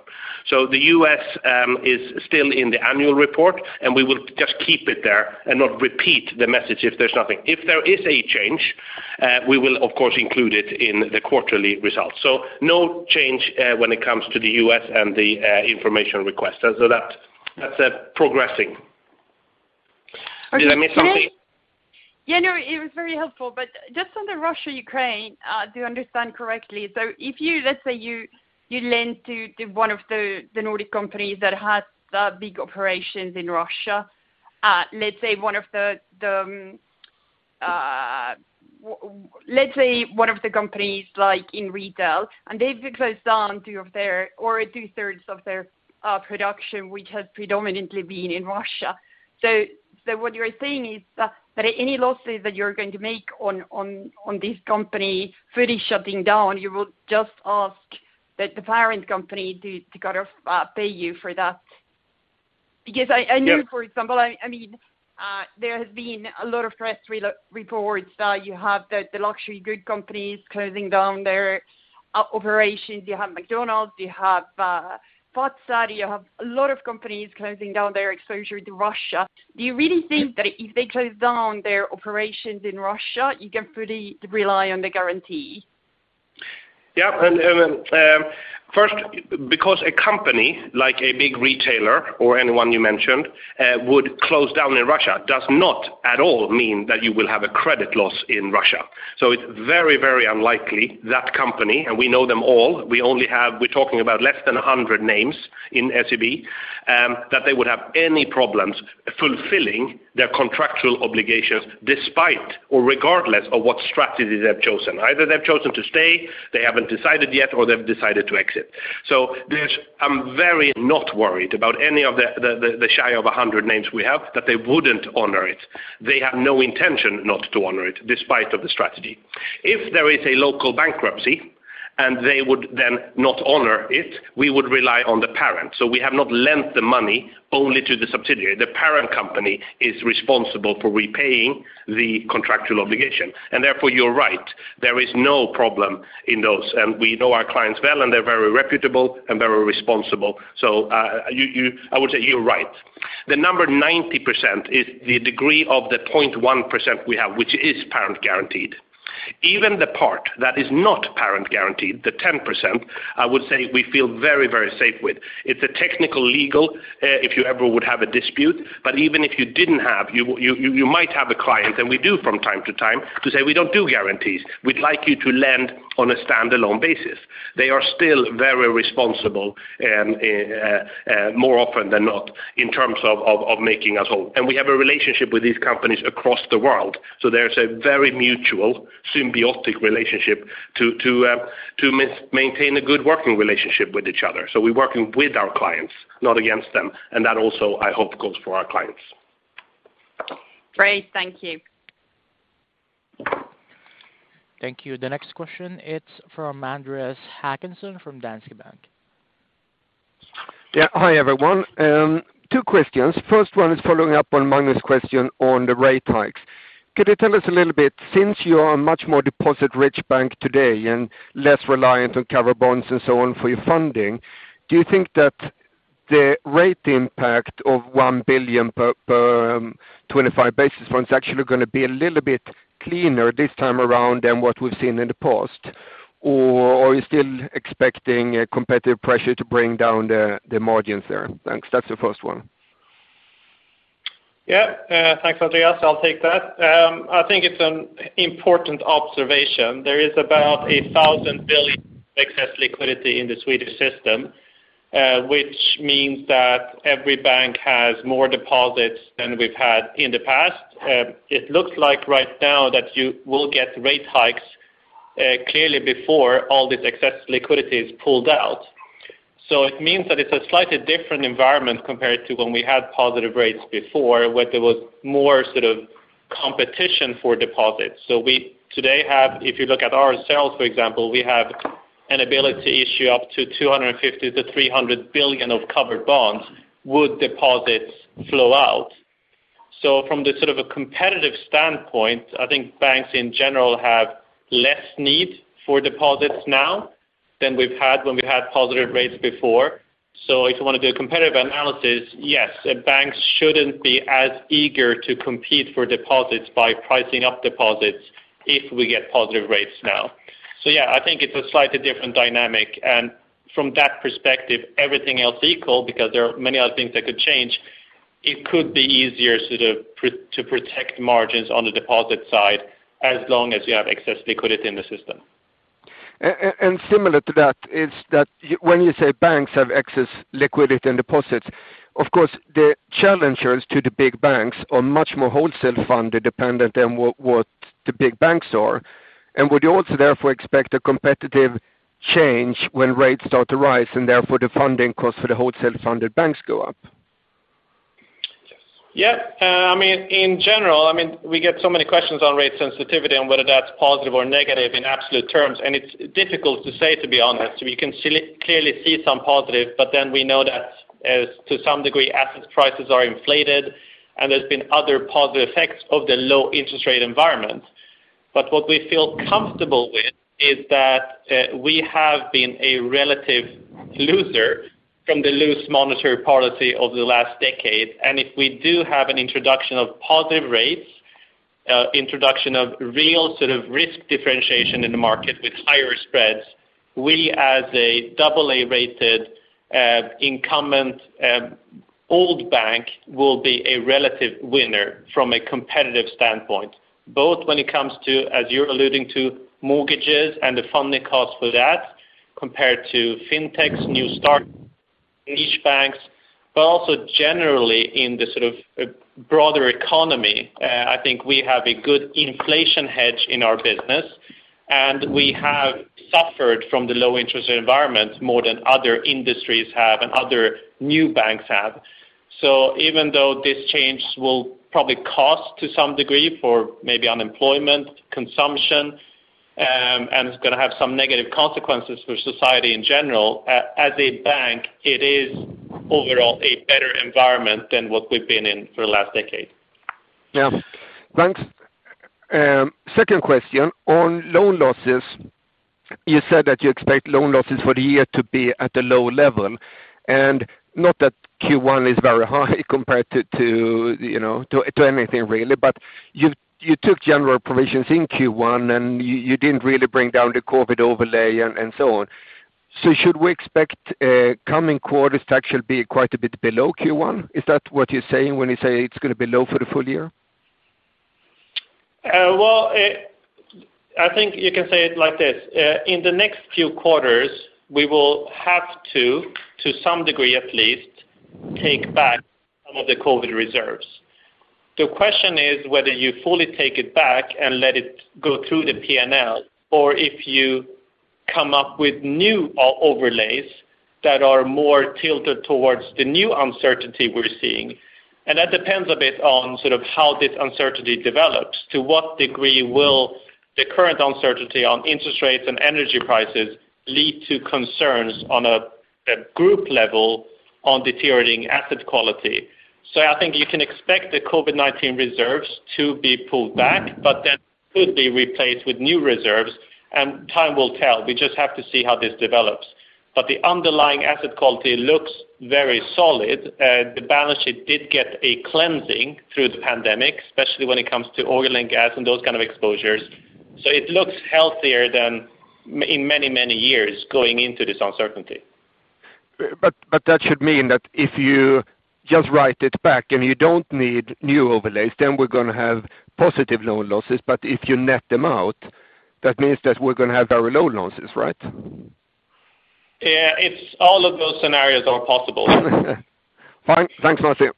The U.S. is still in the annual report, and we will just keep it there and not repeat the message if there's nothing. If there is a change, we will, of course, include it in the quarterly results. No change when it comes to the U.S. and the information request. That, that's progressing. Okay. Did I miss something? Yeah, no. It was very helpful. Just on the Russia-Ukraine, do I understand correctly? If you lend to one of the Nordic companies that has big operations in Russia, let's say one of the companies, like, in retail, and they've closed down two of their or two-thirds of their production, which has predominantly been in Russia. What you're saying is that any losses that you're going to make on this company fully shutting down, you will just ask the parent company to kind of pay you for that? Because I know- Yes For example, I mean, there have been a lot of press reports that you have the luxury goods companies closing down their operations. You have McDonald's. You have Vattenfall. You have a lot of companies closing down their exposure to Russia. Do you really think that if they close down their operations in Russia, you can fully rely on the guarantee? First, because a company like a big retailer or anyone you mentioned would close down in Russia does not at all mean that you will have a credit loss in Russia. It's very unlikely that company, and we know them all. We only have. We're talking about less than 100 names in SEB that they would have any problems fulfilling their contractual obligations despite or regardless of what strategies they've chosen. Either they've chosen to stay, they haven't decided yet, or they've decided to exit. I'm very not worried about any of the shy of 100 names we have, that they wouldn't honor it. They have no intention not to honor it despite of the strategy. If there is a local bankruptcy, and they would then not honor it, we would rely on the parent. We have not lent the money only to the subsidiary. The parent company is responsible for repaying the contractual obligation. Therefore, you're right. There is no problem in those. We know our clients well, and they're very reputable and very responsible. I would say you're right. The number 90% is the degree of the 0.1% we have, which is parent-guaranteed. Even the part that is not parent-guaranteed, the 10%, I would say we feel very, very safe with. It's a technical legal, if you ever would have a dispute. Even if you didn't have, you might have a client, and we do from time to time, to say, "We don't do guarantees. We'd like you to lend on a standalone basis." They are still very responsible, more often than not, in terms of making us whole. We have a relationship with these companies across the world, so there's a very mutual symbiotic relationship to maintain a good working relationship with each other. We're working with our clients, not against them. That also, I hope, goes for our clients. Great. Thank you. Thank you. The next question, it's from Andreas Håkansson from Danske Bank. Yeah. Hi, everyone. Two questions. First one is following up on Magnus' question on the rate hikes. Could you tell us a little bit, since you are a much more deposit-rich bank today and less reliant on covered bonds and so on for your funding, do you think that the rate impact of 1 billion per 25 basis points actually gonna be a little bit cleaner this time around than what we've seen in the past? Or are you still expecting a competitive pressure to bring down the margins there? Thanks. That's the first one. Yeah. Thanks, Andreas. I'll take that. I think it's an important observation. There is about 1,000 billion excess liquidity in the Swedish system, which means that every bank has more deposits than we've had in the past. It looks like right now that you will get rate hikes, clearly before all this excess liquidity is pulled out. It means that it's a slightly different environment compared to when we had positive rates before. Competition for deposits. We today have, if you look at ourselves, for example, we have an ability to issue up to 250 billion-300 billion of covered bonds if deposits flow out. From the sort of a competitive standpoint, I think banks in general have less need for deposits now than we've had when we had positive rates before. If you wanna do a competitive analysis, yes, banks shouldn't be as eager to compete for deposits by pricing up deposits if we get positive rates now. Yeah, I think it's a slightly different dynamic, and from that perspective, everything else equal, because there are many other things that could change. It could be easier sort of to protect margins on the deposit side as long as you have excess liquidity in the system. Similar to that is that when you say banks have excess liquidity in deposits, of course, the challengers to the big banks are much more wholesale funding dependent than what the big banks are. Would you also therefore expect a competitive change when rates start to rise, and therefore the funding cost for the wholesale funded banks go up? Yes. Yeah. I mean, in general, I mean, we get so many questions on rate sensitivity on whether that's positive or negative in absolute terms, and it's difficult to say, to be honest. We can clearly see some positive, but then we know that as to some degree, asset prices are inflated, and there's been other positive effects of the low interest rate environment. What we feel comfortable with is that, we have been a relative loser from the loose monetary policy over the last decade. If we do have an introduction of positive rates, introduction of real sort of risk differentiation in the market with higher spreads, we as a double A-rated, incumbent, old bank will be a relative winner from a competitive standpoint, both when it comes to, as you're alluding to mortgages and the funding cost for that compared to fintechs, new start niche banks, but also generally in the sort of broader economy. I think we have a good inflation hedge in our business, and we have suffered from the low interest environment more than other industries have and other new banks have. Even though this change will probably cost to some degree for maybe unemployment, consumption, and it's gonna have some negative consequences for society in general, as a bank, it is overall a better environment than what we've been in for the last decade. Yeah. Thanks. Second question on loan losses. You said that you expect loan losses for the year to be at a low level, and not that Q1 is very high compared to, you know, anything really. You took general provisions in Q1, and you didn't really bring down the COVID overlay and so on. Should we expect coming quarters to actually be quite a bit below Q1? Is that what you're saying when you say it's gonna be low for the full year? Well, I think you can say it like this. In the next few quarters, we will have to some degree at least, take back some of the COVID reserves. The question is whether you fully take it back and let it go through the P&L, or if you come up with new overlays that are more tilted towards the new uncertainty we're seeing. That depends a bit on sort of how this uncertainty develops. To what degree will the current uncertainty on interest rates and energy prices lead to concerns on a group level on deteriorating asset quality? I think you can expect the COVID-19 reserves to be pulled back, but that could be replaced with new reserves, and time will tell. We just have to see how this develops. The underlying asset quality looks very solid. The balance sheet did get a cleansing through the pandemic, especially when it comes to oil and gas and those kind of exposures. It looks healthier than many, many years going into this uncertainty. that should mean that if you just write it back and you don't need new overlays, then we're gonna have positive loan losses. If you net them out, that means that we're gonna have very low losses, right? Yeah, it's all of those scenarios are possible. Fine. Thanks, Masih.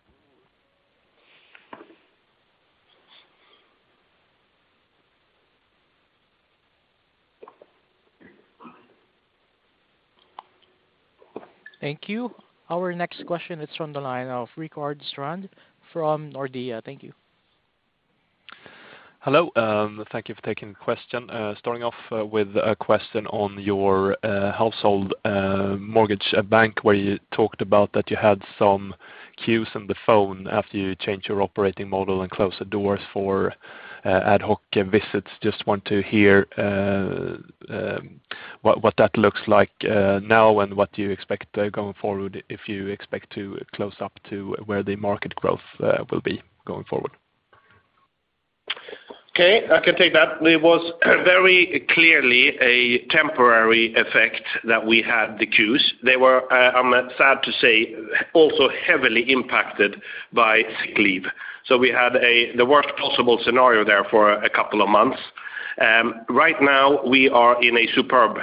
Thank you. Our next question is from the line of Rickard Strand from Nordea. Thank you. Hello, thank you for taking the question. Starting off with a question on your household mortgage bank, where you talked about that you had some queues on the phone after you changed your operating model and closed the doors for ad hoc visits. Just want to hear what that looks like now and what you expect going forward, if you expect to close up to where the market growth will be going forward. Okay, I can take that. It was very clearly a temporary effect that we had the queues. They were, I'm sad to say, also heavily impacted by sick leave. We had the worst possible scenario there for a couple of months. Right now, we are in a superb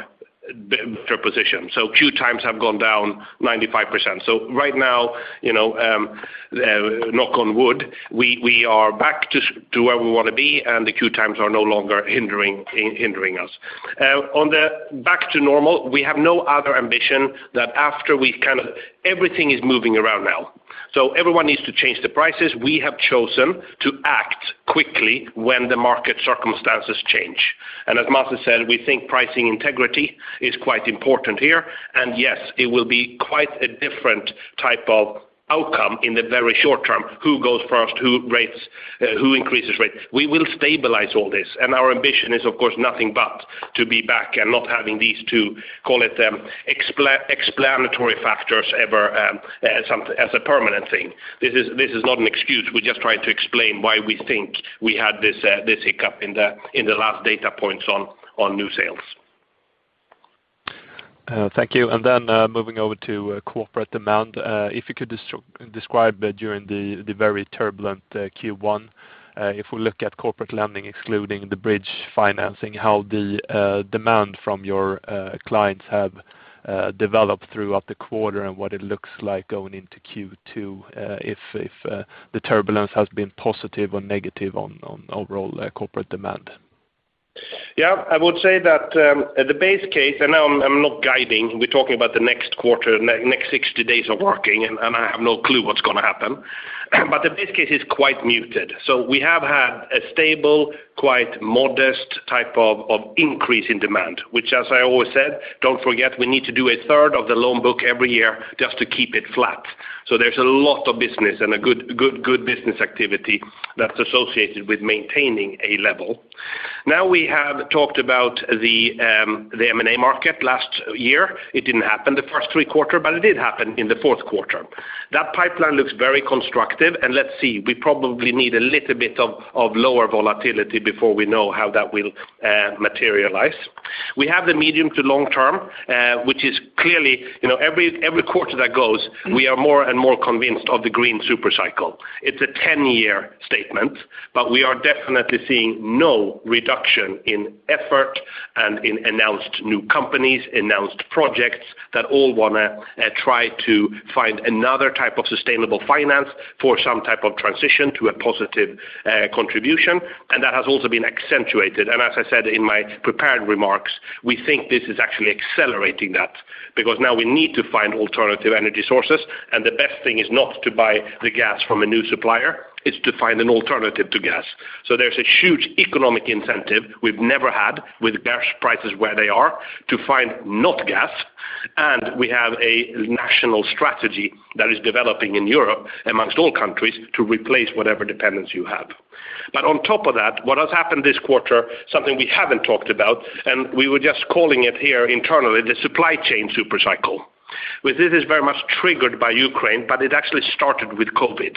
position. Queue times have gone down 95%. Right now, you know, knock on wood, we are back to where we wanna be, and the queue times are no longer hindering us. Once back to normal, we have no other ambition than after we've kind of everything is moving around now. Everyone needs to change the prices. We have chosen to act. Quickly when the market circumstances change. As Masih said, we think pricing integrity is quite important here. Yes, it will be quite a different type of outcome in the very short term, who goes first, who rates, who increases rate. We will stabilize all this, and our ambition is, of course, nothing but to be back and not having these two, call it, explanatory factors ever, as a permanent thing. This is not an excuse. We're just trying to explain why we think we had this hiccup in the last data points on new sales. Thank you. Moving over to corporate demand, if you could describe during the very turbulent Q1, if we look at corporate lending excluding the bridge financing, how the demand from your clients have developed throughout the quarter and what it looks like going into Q2, if the turbulence has been positive or negative on overall corporate demand? Yeah. I would say that, the base case, and I'm not guiding, we're talking about the next quarter, next 60 days of working, and I have no clue what's gonna happen. The base case is quite muted. We have had a stable, quite modest type of increase in demand, which as I always said, don't forget, we need to do a third of the loan book every year just to keep it flat. There's a lot of business and a good business activity that's associated with maintaining a level. We have talked about the M&A market last year. It didn't happen the first three quarters, but it did happen in the fourth quarter. That pipeline looks very constructive, and let's see, we probably need a little bit of lower volatility before we know how that will materialize. We have the medium to long term, which is clearly, you know, every quarter that goes, we are more and more convinced of the green super cycle. It's a ten-year statement, but we are definitely seeing no reduction in effort and in announced new companies, announced projects that all wanna try to find another type of sustainable finance for some type of transition to a positive contribution. That has also been accentuated. As I said in my prepared remarks, we think this is actually accelerating that because now we need to find alternative energy sources, and the best thing is not to buy the gas from a new supplier, it's to find an alternative to gas. There's a huge economic incentive we've never had with gas prices where they are to find not gas, and we have a national strategy that is developing in Europe among all countries to replace whatever dependence you have. On top of that, what has happened this quarter, something we haven't talked about, and we were just calling it here internally, the supply chain super cycle. This is very much triggered by Ukraine, but it actually started with COVID.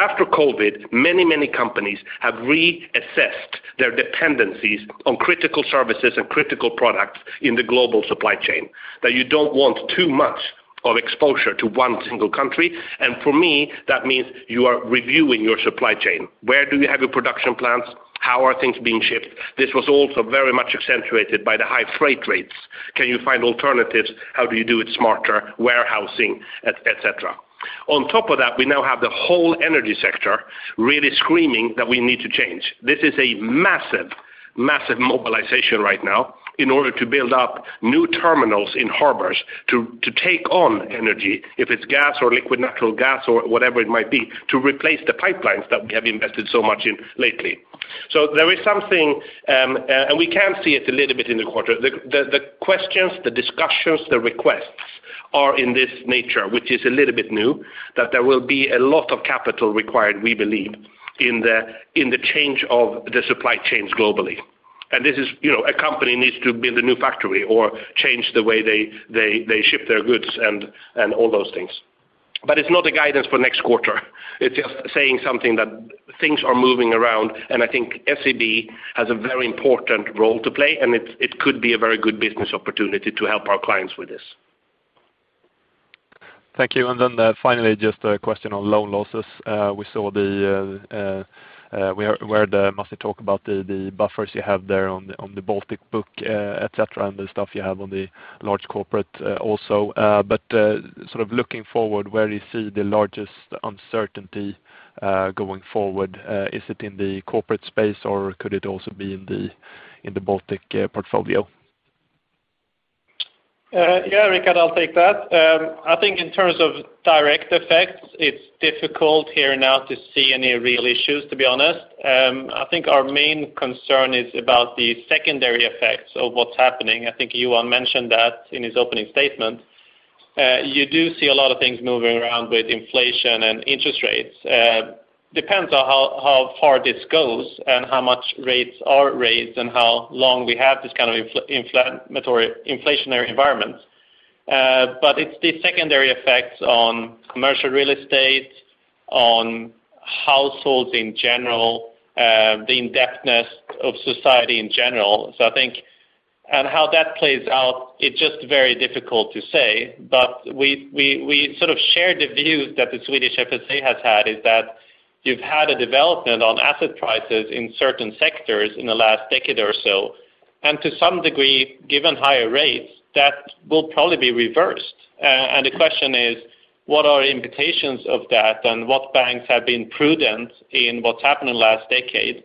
After COVID, many, many companies have reassessed their dependencies on critical services and critical products in the global supply chain that you don't want too much of exposure to one single country. For me, that means you are reviewing your supply chain. Where do you have your production plants? How are things being shipped? This was also very much accentuated by the high freight rates. Can you find alternatives? How do you do it smarter? Warehousing, et cetera. On top of that, we now have the whole energy sector really screaming that we need to change. This is a massive mobilization right now in order to build up new terminals in harbors to take on energy, if it's gas or liquid natural gas or whatever it might be, to replace the pipelines that we have invested so much in lately. There is something, and we can see it a little bit in the quarter. The questions, the discussions, the requests are in this nature, which is a little bit new, that there will be a lot of capital required, we believe, in the change of the supply chains globally. This is. You know, a company needs to build a new factory or change the way they ship their goods and all those things. It's not a guidance for next quarter. It's just saying something that things are moving around, and I think SEB has a very important role to play, and it could be a very good business opportunity to help our clients with this. Thank you. Finally, just a question on loan losses. We saw where Masih talked about the buffers you have there on the Baltic book, et cetera, and the stuff you have on the large corporate also. Sort of looking forward, where do you see the largest uncertainty going forward? Is it in the corporate space, or could it also be in the Baltic portfolio? Yeah, Rick, I'll take that. I think in terms of direct effects, it's difficult here now to see any real issues, to be honest. I think our main concern is about the secondary effects of what's happening. I think Johan mentioned that in his opening statement. You do see a lot of things moving around with inflation and interest rates. Depends on how far this goes and how much rates are raised and how long we have this kind of inflationary environment. But it's the secondary effects on commercial real estate, on households in general, the indebtedness of society in general. I think how that plays out, it's just very difficult to say. We sort of share the views that the Swedish FSA has had, is that you've had a development on asset prices in certain sectors in the last decade or so. To some degree, given higher rates, that will probably be reversed. The question is what are the implications of that and what banks have been prudent in what's happened in the last decade?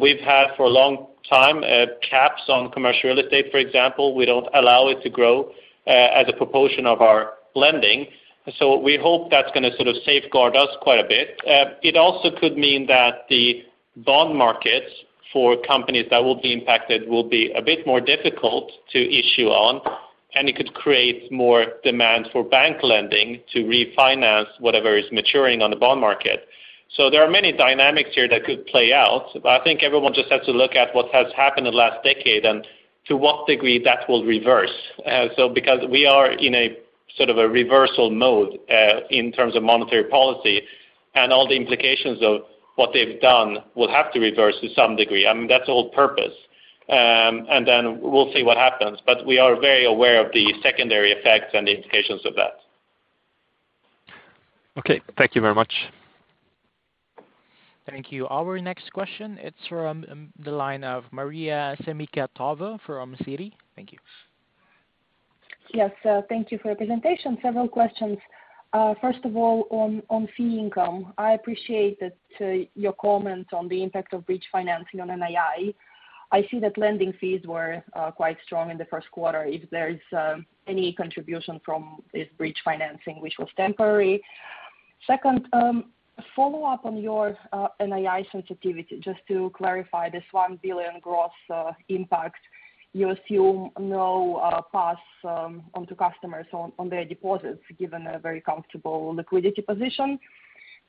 We've had for a long time caps on commercial real estate, for example. We don't allow it to grow as a proportion of our lending. We hope that's gonna sort of safeguard us quite a bit. It also could mean that the bond markets for companies that will be impacted will be a bit more difficult to issue on, and it could create more demand for bank lending to refinance whatever is maturing on the bond market. There are many dynamics here that could play out, but I think everyone just has to look at what has happened in the last decade and to what degree that will reverse. Because we are in a sort of a reversal mode, in terms of monetary policy, and all the implications of what they've done will have to reverse to some degree. I mean, that's the whole purpose. We'll see what happens. We are very aware of the secondary effects and the implications of that. Okay. Thank you very much. Thank you. Our next question, it's from the line of Maria Semikhatova from Citi. Thank you. Thank you for your presentation. Several questions. First of all, on fee income. I appreciate that your comment on the impact of bridge financing on NII. I see that lending fees were quite strong in the first quarter. If there is any contribution from this bridge financing, which was temporary. Second, follow up on your NII sensitivity, just to clarify this 1 billion gross impact. You assume no pass onto customers on their deposits, given a very comfortable liquidity position.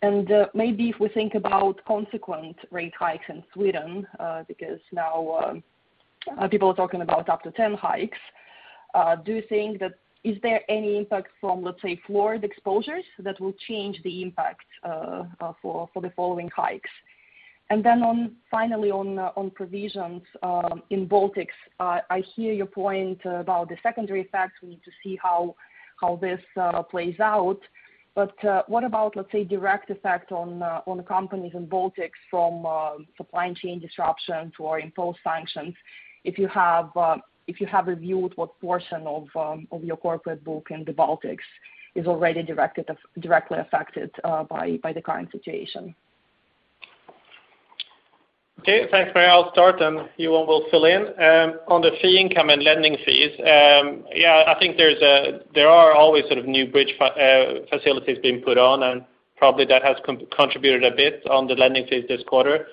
Maybe if we think about consequent rate hikes in Sweden, because now people are talking about up to 10 hikes. Do you think that. Is there any impact from, let's say, floored exposures that will change the impact for the following hikes? Finally, on provisions in Baltics, I hear your point about the secondary effects. We need to see how this plays out. What about, let's say, direct effect on companies in Baltics from supply chain disruptions or imposed sanctions? If you have reviewed what portion of your corporate book in the Baltics is already directly affected by the current situation. Okay. Thanks, Maria. I'll start, and Johan Torgeby will fill in. On the fee income and lending fees, yeah, I think there are always sort of new bridge facilities being put on, and probably that has contributed a bit to the lending fees this quarter.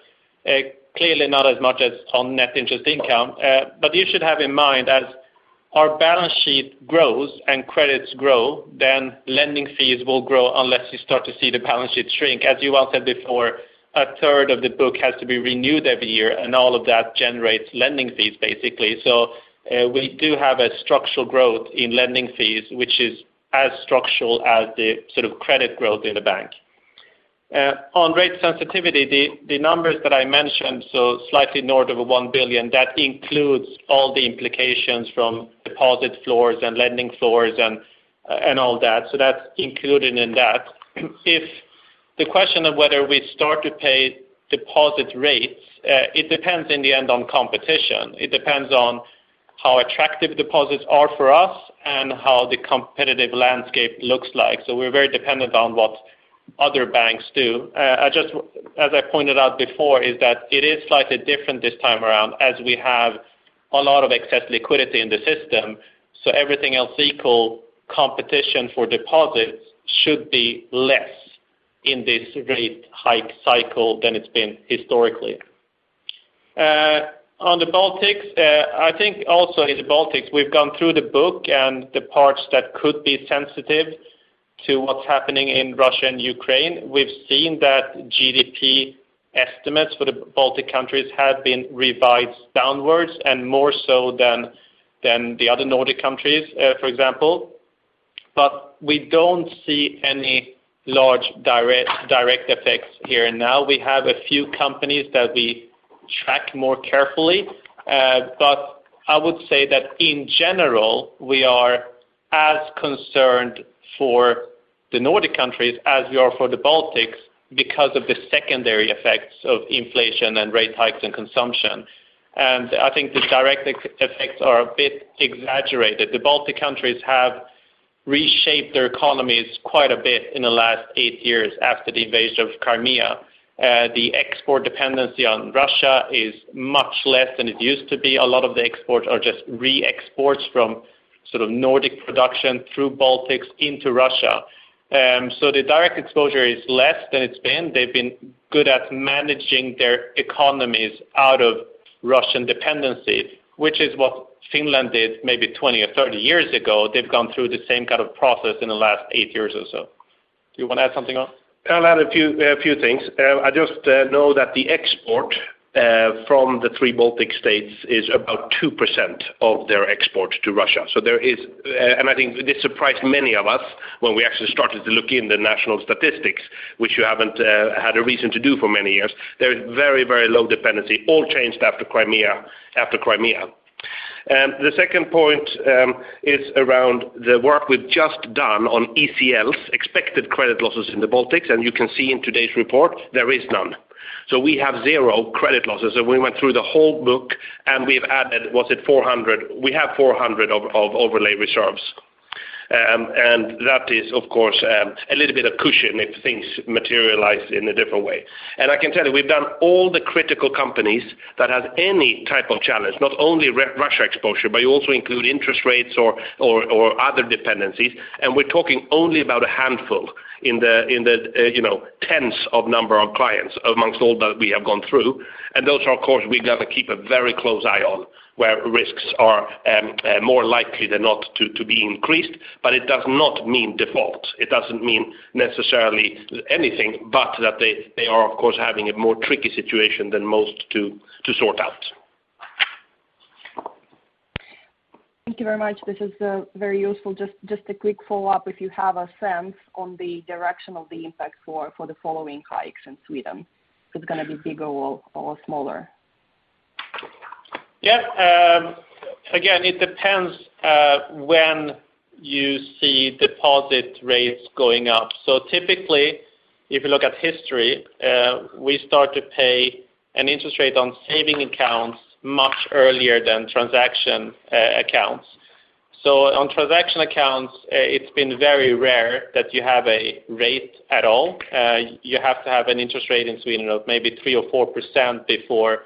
Clearly not as much as on net interest income. But you should have in mind as our balance sheet grows and credits grow, then lending fees will grow unless you start to see the balance sheet shrink. As Johan Torgeby said before, a third of the book has to be renewed every year, and all of that generates lending fees, basically. We do have a structural growth in lending fees, which is as structural as the sort of credit growth in the bank. On rate sensitivity, the numbers that I mentioned, slightly north of 1 billion, that includes all the implications from deposit floors and lending floors and all that. That's included in that. If the question of whether we start to pay deposit rates, it depends in the end on competition. It depends on how attractive deposits are for us and how the competitive landscape looks like. We're very dependent on what other banks do. As I pointed out before, it is slightly different this time around as we have a lot of excess liquidity in the system. Everything else equal, competition for deposits should be less in this rate hike cycle than it's been historically. On the Baltics, I think also in the Baltics, we've gone through the book and the parts that could be sensitive to what's happening in Russia and Ukraine. We've seen that GDP estimates for the Baltic countries have been revised downward and more so than the other Nordic countries, for example. We don't see any large direct effects here and now. We have a few companies that we track more carefully. I would say that in general, we are as concerned for the Nordic countries as we are for the Baltics because of the secondary effects of inflation and rate hikes and consumption. I think the direct effects are a bit exaggerated. The Baltic countries have reshaped their economies quite a bit in the last eight years after the invasion of Crimea. The export dependency on Russia is much less than it used to be. A lot of the exports are just re-exports from sort of Nordic production through Baltics into Russia. The direct exposure is less than it's been. They've been good at managing their economies out of Russian dependency, which is what Finland did maybe 20 or 30 years ago. They've gone through the same kind of process in the last eight years or so. Do you wanna add something, Johan? I'll add a few things. I just know that the export from the three Baltic states is about 2% of their exports to Russia. I think this surprised many of us when we actually started to look in the national statistics, which you haven't had a reason to do for many years. There is very low dependency. All changed after Crimea. The second point is around the work we've just done on ECLs, expected credit losses in the Baltics, and you can see in today's report there is none. We have zero credit losses. We went through the whole book, and we've added, was it 400? We have 400 of overlay reserves. That is, of course, a little bit of cushion if things materialize in a different way. I can tell you, we've done all the critical companies that have any type of challenge, not only Russia exposure, but you also include interest rates or other dependencies. We're talking only about a handful in the tens of number of clients amongst all that we have gone through. Those are, of course, we're gonna keep a very close eye on where risks are more likely than not to be increased. It does not mean default. It doesn't mean necessarily anything but that they are, of course, having a more tricky situation than most to sort out. Thank you very much. This is very useful. Just a quick follow-up if you have a sense on the direction of the impact for the following hikes in Sweden. If it's gonna be bigger or smaller? Yeah. Again, it depends when you see deposit rates going up. Typically, if you look at history, we start to pay an interest rate on savings accounts much earlier than transaction accounts. On transaction accounts, it's been very rare that you have a rate at all. You have to have an interest rate in Sweden of maybe 3% or 4% before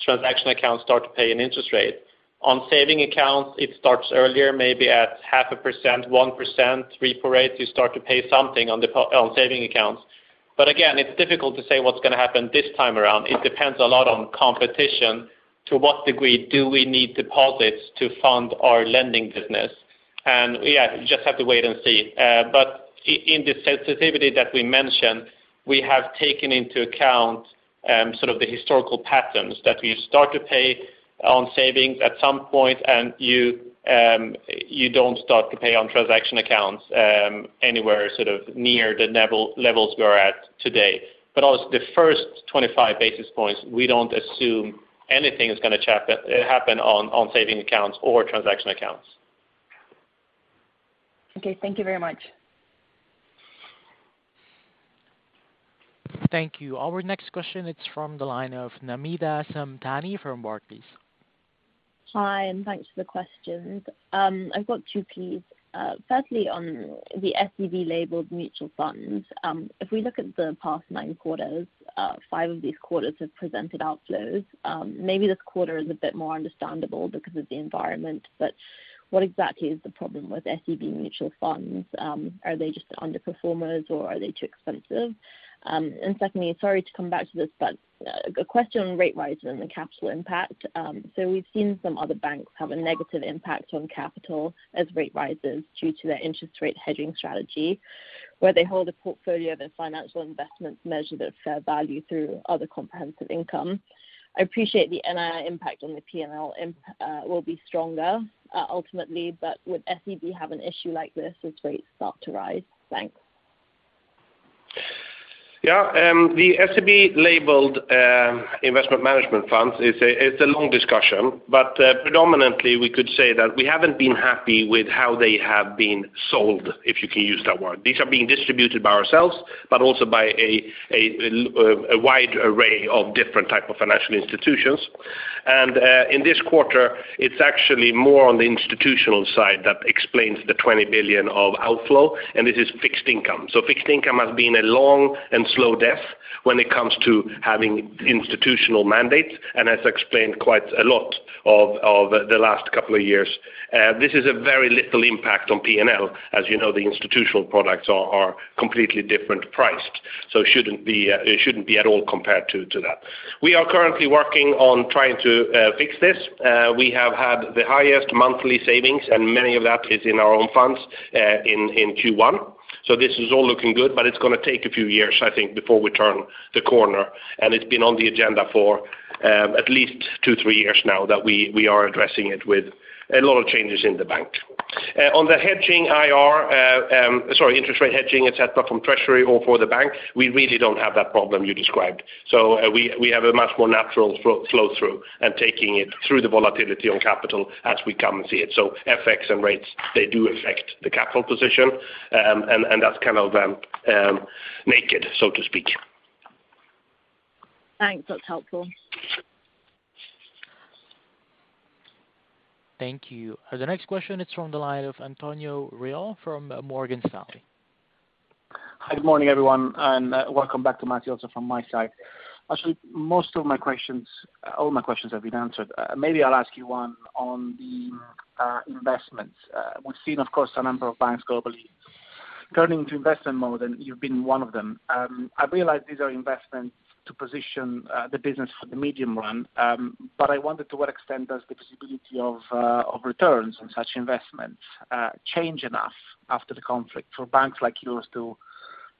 transaction accounts start to pay an interest rate. On savings accounts, it starts earlier, maybe at 0.5%, 1%, 0.38%, you start to pay something on savings accounts. Again, it's difficult to say what's gonna happen this time around. It depends a lot on competition to what degree do we need deposits to fund our lending business. Yeah, you just have to wait and see. In the sensitivity that we mentioned, we have taken into account, sort of the historical patterns that you start to pay on savings at some point, and you don't start to pay on transaction accounts, anywhere sort of near the levels we're at today. Also the first 25 basis points, we don't assume anything is gonna happen on saving accounts or transaction accounts. Okay, thank you very much. Thank you. Our next question is from the line of Namita Samtani from Barclays. Hi, thanks for the questions. I've got two, please. Firstly, on the SEB-labeled mutual funds, if we look at the past nine quarters, five of these quarters have presented outflows. Maybe this quarter is a bit more understandable because of the environment, but what exactly is the problem with SEB mutual funds? Are they just underperformers, or are they too expensive? Secondly, sorry to come back to this, but a question on rate rise and the capital impact. We've seen some other banks have a negative impact on capital as rate rises due to their interest rate hedging strategy, where they hold a portfolio of their financial investments, measure their fair value through other comprehensive income. I appreciate the NII impact on the P&L will be stronger, ultimately, but would SEB have an issue like this as rates start to rise? Thanks. Yeah. The SEB-labeled investment management funds is a, it's a long discussion, but predominantly we could say that we haven't been happy with how they have been sold, if you can use that word. These are being distributed by ourselves, but also by a wide array of different type of financial institutions. In this quarter, it's actually more on the institutional side that explains the 20 billion of outflow, and this is fixed income. Fixed income has been a long and slow death when it comes to having institutional mandates, and has explained quite a lot of the last couple of years. This is a very little impact on P&L. As you know, the institutional products are completely different priced, so it shouldn't be at all compared to that. We are currently working on trying to fix this. We have had the highest monthly savings, and many of that is in our own funds in Q1. This is all looking good, but it's gonna take a few years, I think, before we turn the corner. It's been on the agenda for at least two, three years now that we are addressing it with a lot of changes in the bank. On the interest rate hedging, et cetera, from treasury or for the bank, we really don't have that problem you described. We have a much more natural flow-through and taking it through the volatility on capital as we come and see it. FX and rates, they do affect the capital position. That's kind of naked, so to speak. Thanks. That's helpful. Thank you. The next question is from the line of Antonio Reale from Morgan Stanley. Hi, good morning, everyone, and welcome back to Masih also from my side. Actually, most of my questions, all my questions have been answered. Maybe I'll ask you one on the investments. We've seen, of course, a number of banks globally turning to investment mode, and you've been one of them. I realize these are investments to position the business for the medium run. But I wondered to what extent does the visibility of returns on such investments change enough after the conflict for banks like yours to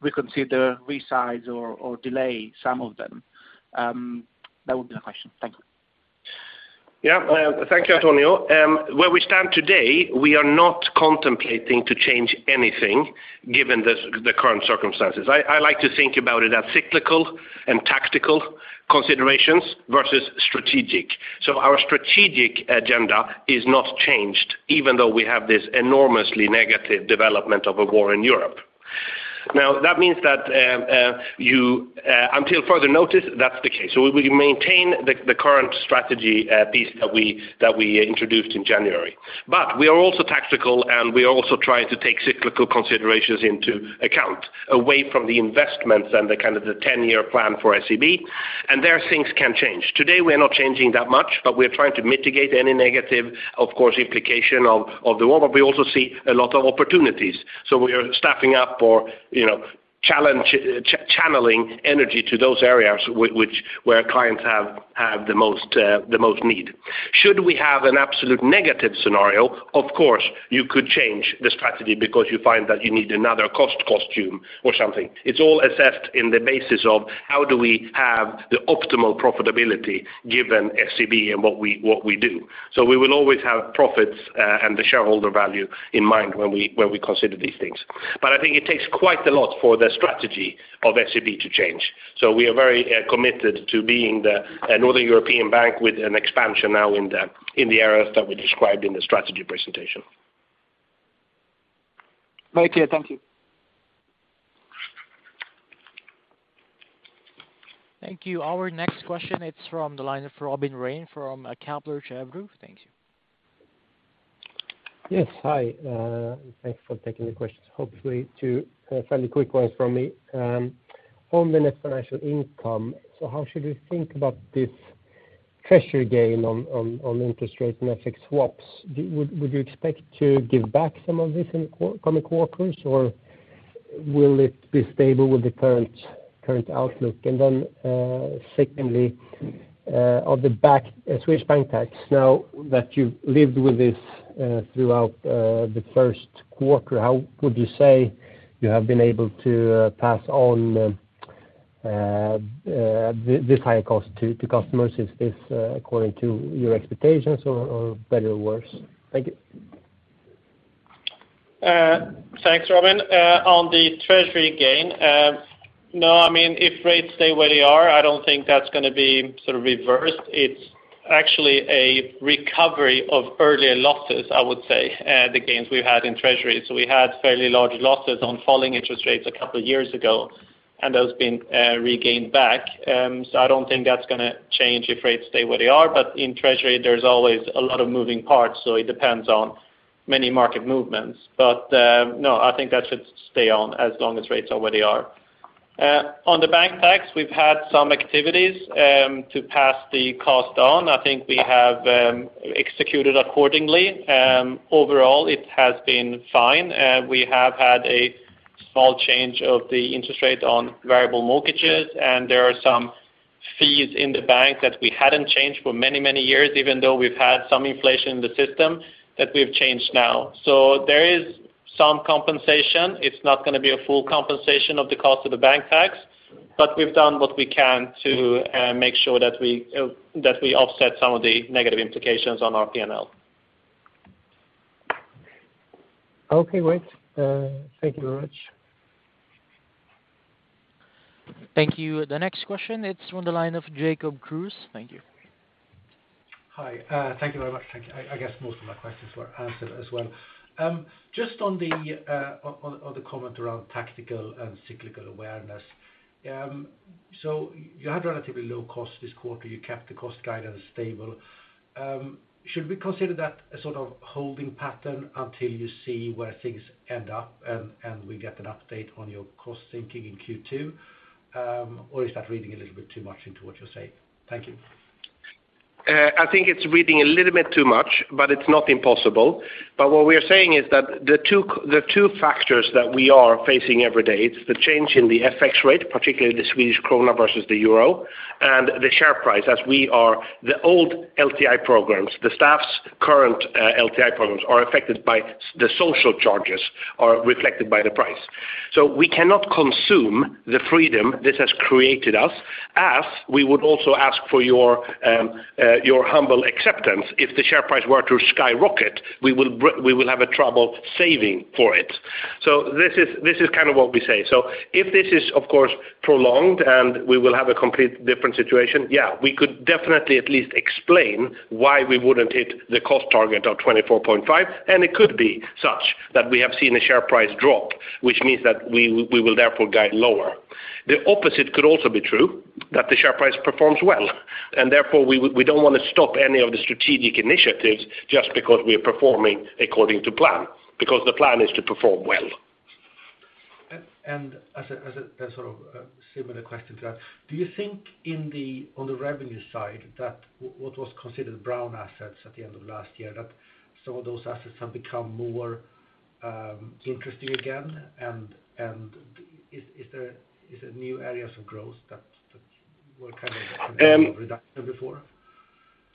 reconsider, resize or delay some of them? That would be my question. Thank you. Yeah. Thank you, Antonio. Where we stand today, we are not contemplating to change anything given the current circumstances. I like to think about it as cyclical and tactical considerations versus strategic. Our strategic agenda is not changed, even though we have this enormously negative development of a war in Europe. Now that means that until further notice, that's the case. We maintain the current strategy piece that we introduced in January. We are also tactical, and we also try to take cyclical considerations into account away from the investments and the kind of the ten-year plan for SEB, and there things can change. Today, we're not changing that much, but we're trying to mitigate any negative, of course, implication of the war. We also see a lot of opportunities, so we are staffing up for, you know, channeling energy to those areas where clients have the most need. Should we have an absolute negative scenario, of course, you could change the strategy because you find that you need another cost cut or something. It's all assessed on the basis of how do we have the optimal profitability given SEB and what we do. We will always have profits and the shareholder value in mind when we consider these things. I think it takes quite a lot for the strategy of SEB to change. We are very committed to being a Northern European bank with an expansion now in the areas that we described in the strategy presentation. Very clear. Thank you. Thank you. Our next question, it's from the line of Robin Rane from Kepler Cheuvreux. Thank you. Yes. Hi. Thanks for taking the questions. Hopefully two fairly quick ones from me. On the net financial income, so how should we think about this treasury gain on interest rates and FX swaps? Would you expect to give back some of this in coming quarters, or will it be stable with the current outlook? Secondly, on the Swedish bank tax. Now that you've lived with this throughout the first quarter, how would you say you have been able to pass on this higher cost to customers? Is this according to your expectations or better or worse? Thank you. Thanks, Robin. On the treasury gain, no, I mean, if rates stay where they are, I don't think that's gonna be sort of reversed. It's actually a recovery of earlier losses, I would say, the gains we've had in treasury. We had fairly large losses on falling interest rates a couple of years ago, and that's been regained back. I don't think that's gonna change if rates stay where they are. In treasury, there's always a lot of moving parts, so it depends on many market movements. No, I think that should stay on as long as rates are where they are. On the bank tax, we've had some activities to pass the cost on. I think we have executed accordingly. Overall it has been fine. We have had a small change of the interest rate on variable mortgages, and there are some fees in the bank that we hadn't changed for many, many years, even though we've had some inflation in the system that we've changed now. There is some compensation. It's not gonna be a full compensation of the cost of the bank tax, but we've done what we can to make sure that we offset some of the negative implications on our P&L. Okay. Great. Thank you very much. Thank you. The next question, it's on the line of Jacob Kruse. Thank you. Hi. Thank you very much. Thank you. I guess most of my questions were answered as well. Just on the comment around tactical and cyclical awareness. So you had relatively low cost this quarter. You kept the cost guidance stable. Should we consider that a sort of holding pattern until you see where things end up and we get an update on your cost thinking in Q2? Or is that reading a little bit too much into what you're saying? Thank you. I think it's reading a little bit too much, but it's not impossible. What we are saying is that the two factors that we are facing every day, it's the change in the FX rate, particularly the Swedish krona versus the euro, and the share price. The old LTI programs, the staff's current LTI programs are affected by the social charges are reflected by the price. We cannot consume the freedom this has created us, as we would also ask for your your humble acceptance. If the share price were to skyrocket, we will have a trouble saving for it. This is kind of what we say. If this is, of course, prolonged and we will have a completely different situation, yeah, we could definitely at least explain why we wouldn't hit the cost target of 24.5%, and it could be such that we have seen a share price drop, which means that we will therefore guide lower. The opposite could also be true, that the share price performs well, and therefore we don't wanna stop any of the strategic initiatives just because we're performing according to plan, because the plan is to perform well. As sort of a similar question to that, do you think on the revenue side that what was considered brown assets at the end of last year, that some of those assets have become more interesting again? Is there new areas of growth that were kind of- Um- reduction before?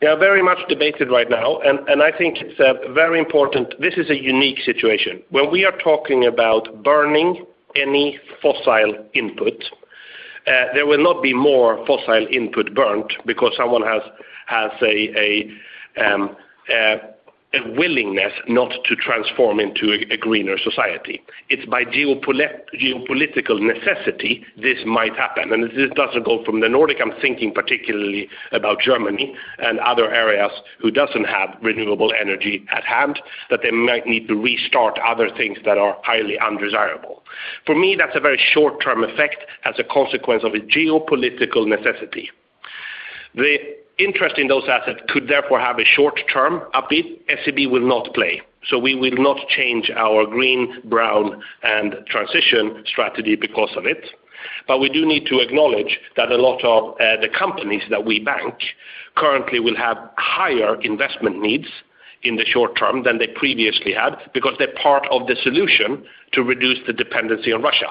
Yeah, very much debated right now. I think it's very important. This is a unique situation. When we are talking about burning any fossil input, there will not be more fossil input burnt because someone has a willingness not to transform into a greener society. It's by geopolitical necessity this might happen. This doesn't go from the Nordic. I'm thinking particularly about Germany and other areas who doesn't have renewable energy at hand, that they might need to restart other things that are highly undesirable. For me, that's a very short-term effect as a consequence of a geopolitical necessity. The interest in those assets could therefore have a short term upbeat. SEB will not play, so we will not change our green, brown, and transition strategy because of it. We do need to acknowledge that a lot of the companies that we bank currently will have higher investment needs in the short term than they previously had because they're part of the solution to reduce the dependency on Russia.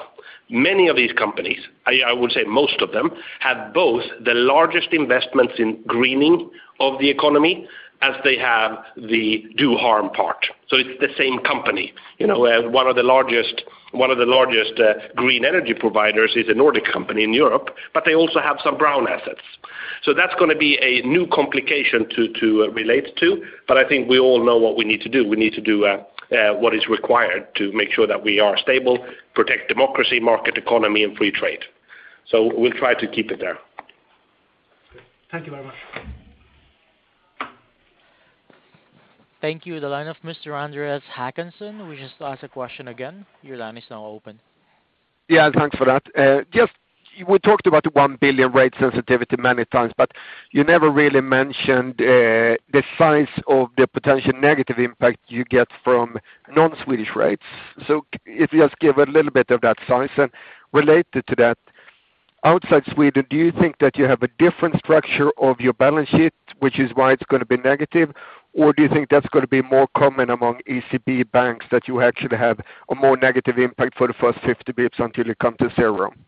Many of these companies, I would say most of them, have both the largest investments in greening of the economy as they have the do harm part. It's the same company. You know, one of the largest green energy providers is a Nordic company in Europe, but they also have some brown assets. That's gonna be a new complication to relate to. I think we all know what we need to do. We need to do what is required to make sure that we are stable, protect democracy, market economy and free trade. We'll try to keep it there. Thank you very much. Thank you. The line of Mr. Andreas Håkansson, which is to ask a question again. Your line is now open. Yeah, thanks for that. Just, we talked about the 1 billion rate sensitivity many times, but you never really mentioned the size of the potential negative impact you get from non-Swedish rates. If you just give a little bit of that size. Related to that, outside Sweden, do you think that you have a different structure of your balance sheet, which is why it's gonna be negative? Or do you think that's gonna be more common among ECB banks that you actually have a more negative impact for the first 50 basis points until you come to zero? Yeah.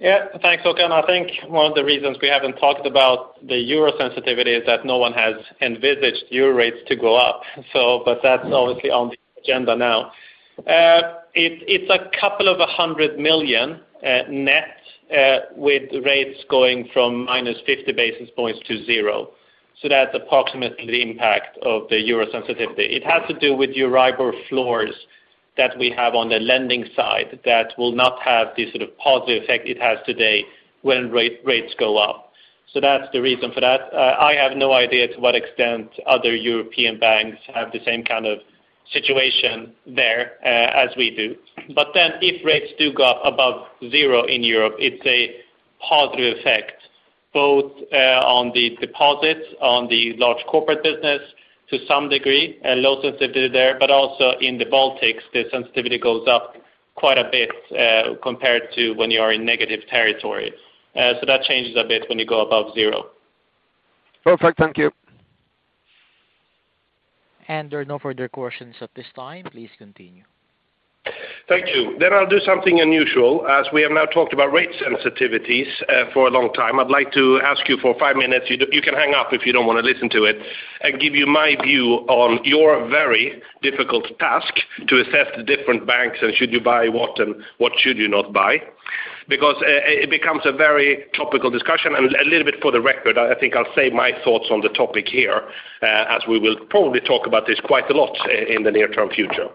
Thanks. Okay. I think one of the reasons we haven't talked about the euro sensitivity is that no one has envisaged euro rates to go up. That's obviously on the agenda now. It's a couple of 100 million EUR net with rates going from minus 50 basis points to zero. That's approximately the impact of the euro sensitivity. It has to do with euro EURIBOR floors that we have on the lending side that will not have the sort of positive effect it has today when rates go up. That's the reason for that. I have no idea to what extent other European banks have the same kind of situation there as we do. If rates do go above zero in Europe, it's a positive effect both on the deposits, on the large corporate business to some degree, a low sensitivity there, but also in the Baltics, the sensitivity goes up quite a bit, compared to when you are in negative territory. That changes a bit when you go above zero. Perfect. Thank you. There are no further questions at this time. Please continue. Thank you. I'll do something unusual. As we have now talked about rate sensitivities for a long time. I'd like to ask you for five minutes. You can hang up if you don't wanna listen to it. Give you my view on your very difficult task to assess the different banks and should you buy what and what should you not buy. Because it becomes a very topical discussion and a little bit for the record, I think I'll say my thoughts on the topic here, as we will probably talk about this quite a lot in the near term future.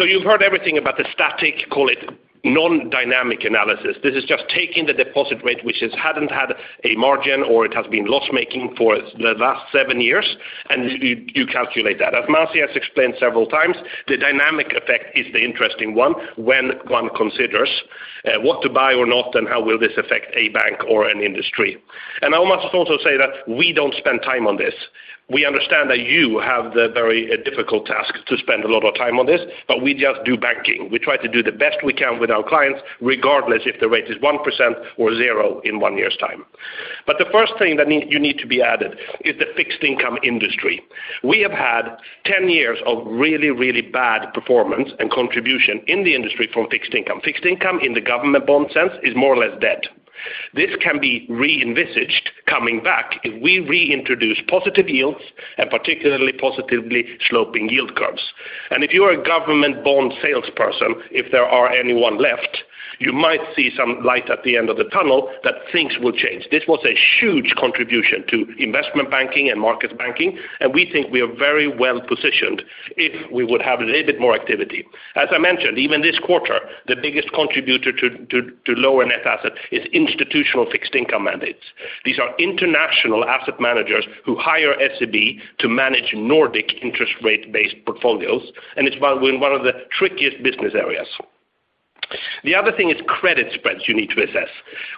You've heard everything about the static, call it non-dynamic analysis. This is just taking the deposit rate, which hasn't had a margin or it has been loss-making for the last seven years, and you calculate that. As Masih explained several times, the dynamic effect is the interesting one when one considers what to buy or not, and how will this affect a bank or an industry. I must also say that we don't spend time on this. We understand that you have the very difficult task to spend a lot of time on this, but we just do banking. We try to do the best we can with our clients, regardless if the rate is 1% or zero in one year's time. The first thing you need to be added is the fixed income industry. We have had 10 years of really, really bad performance and contribution in the industry from fixed income. Fixed income in the government bond sense is more or less dead. This can be re-envisaged coming back if we reintroduce positive yields and particularly positively sloping yield curves. If you are a government bond salesperson, if there are anyone left, you might see some light at the end of the tunnel that things will change. This was a huge contribution to investment banking and markets banking, and we think we are very well-positioned if we would have a little bit more activity. As I mentioned, even this quarter, the biggest contributor to lower net asset is institutional fixed income mandates. These are international asset managers who hire SEB to manage Nordic interest rate-based portfolios, and it's one of the trickiest business areas. The other thing is credit spreads you need to assess.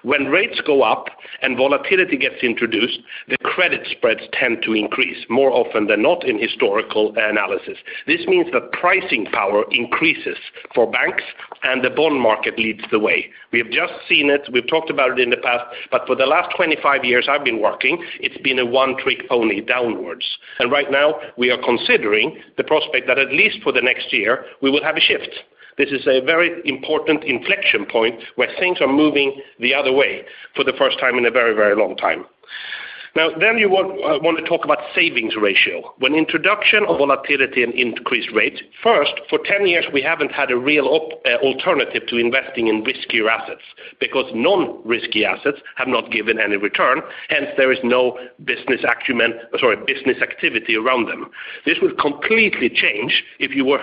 When rates go up and volatility gets introduced, the credit spreads tend to increase more often than not in historical analysis. This means the pricing power increases for banks and the bond market leads the way. We have just seen it, we've talked about it in the past, but for the last 25 years I've been working, it's been a one trick only downwards. Right now we are considering the prospect that at least for the next year, we will have a shift. This is a very important inflection point where things are moving the other way for the first time in a very, very long time. Now you want to talk about savings ratio. When introduction of volatility and increased rates, first, for 10 years, we haven't had a real alternative to investing in riskier assets because non-risky assets have not given any return, hence there is no business activity around them. This will completely change if you were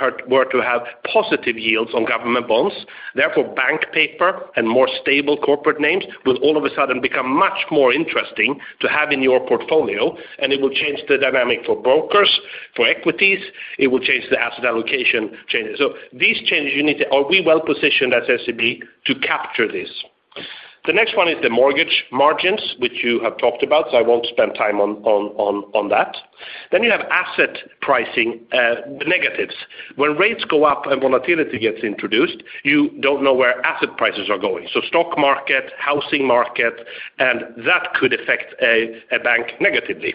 to have positive yields on government bonds. Therefore, bank paper and more stable corporate names will all of a sudden become much more interesting to have in your portfolio, and it will change the dynamic for brokers, for equities, it will change the asset allocation changes. These changes you need to. Are we well positioned as SEB to capture this? The next one is the mortgage margins, which you have talked about, so I won't spend time on that. You have asset pricing negatives. When rates go up and volatility gets introduced, you don't know where asset prices are going. Stock market, housing market, and that could affect a bank negatively.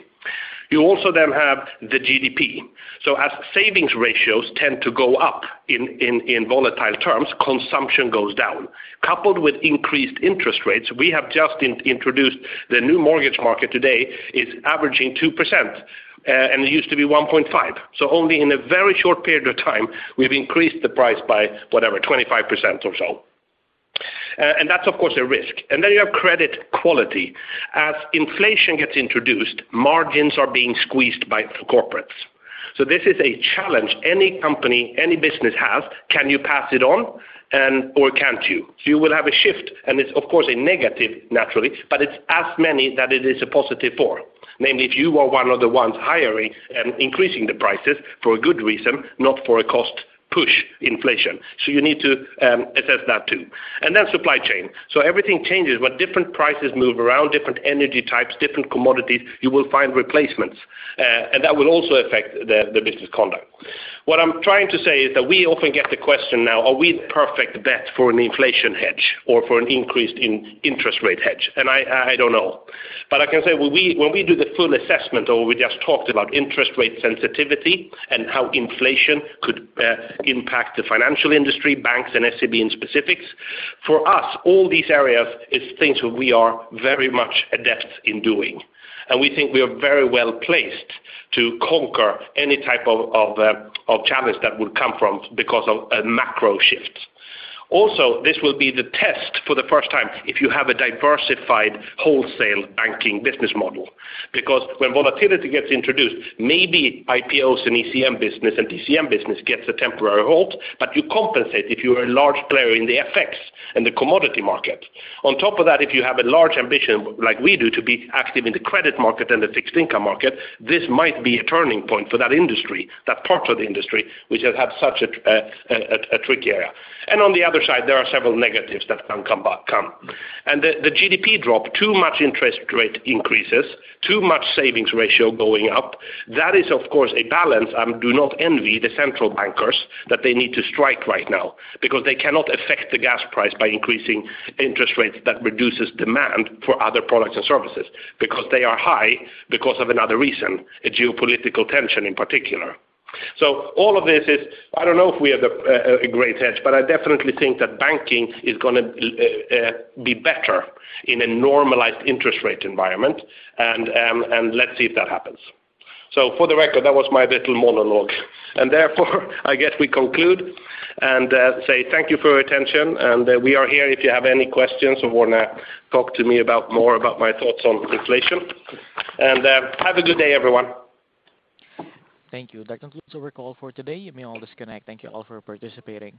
You also then have the GDP. As savings ratios tend to go up in volatile terms, consumption goes down. Coupled with increased interest rates, we have just introduced the new mortgage market. Today is averaging 2%, and it used to be 1.5%. Only in a very short period of time, we've increased the price by, whatever, 25% or so. That's of course a risk. You have credit quality. As inflation gets introduced, margins are being squeezed by corporates. This is a challenge any company, any business has. Can you pass it on and or can't you? You will have a shift, and it's of course a negative naturally, but it's as many that it is a positive for. Namely, if you are one of the ones hiring and increasing the prices for a good reason, not for a cost-push inflation. You need to assess that too. Supply chain. Everything changes, but different prices move around, different energy types, different commodities, you will find replacements. That will also affect the business conduct. What I'm trying to say is that we often get the question now, are we the perfect bet for an inflation hedge or for an increased interest rate hedge? I don't know. I can say when we do the full assessment, as we just talked about interest rate sensitivity and how inflation could impact the financial industry, banks and SEB in specific. For us, all these areas is things we are very much adept in doing. We think we are very well placed to conquer any type of challenge that would come from because of a macro shift. Also, this will be the test for the first time if you have a diversified wholesale banking business model. Because when volatility gets introduced, maybe IPOs and ECM business and DCM business gets a temporary halt, but you compensate if you are a large player in the FX and the commodity market. On top of that, if you have a large ambition like we do to be active in the credit market and the fixed income market, this might be a turning point for that industry, that part of the industry, which has had such a tricky area. On the other side, there are several negatives that can come back. The GDP drop, too much interest rate increases, too much savings ratio going up. That is, of course, a balance. I do not envy the central bankers that they need to strike right now because they cannot affect the gas price by increasing interest rates that reduces demand for other products and services, because they are high because of another reason, a geopolitical tension in particular. I don't know if we have a great hedge, but I definitely think that banking is gonna be better in a normalized interest rate environment. Let's see if that happens. For the record, that was my little monologue. Therefore, I guess we conclude and say thank you for your attention. We are here if you have any questions or wanna talk to me about more about my thoughts on inflation. Have a good day, everyone. Thank you. That concludes our call for today. You may all disconnect. Thank you all for participating.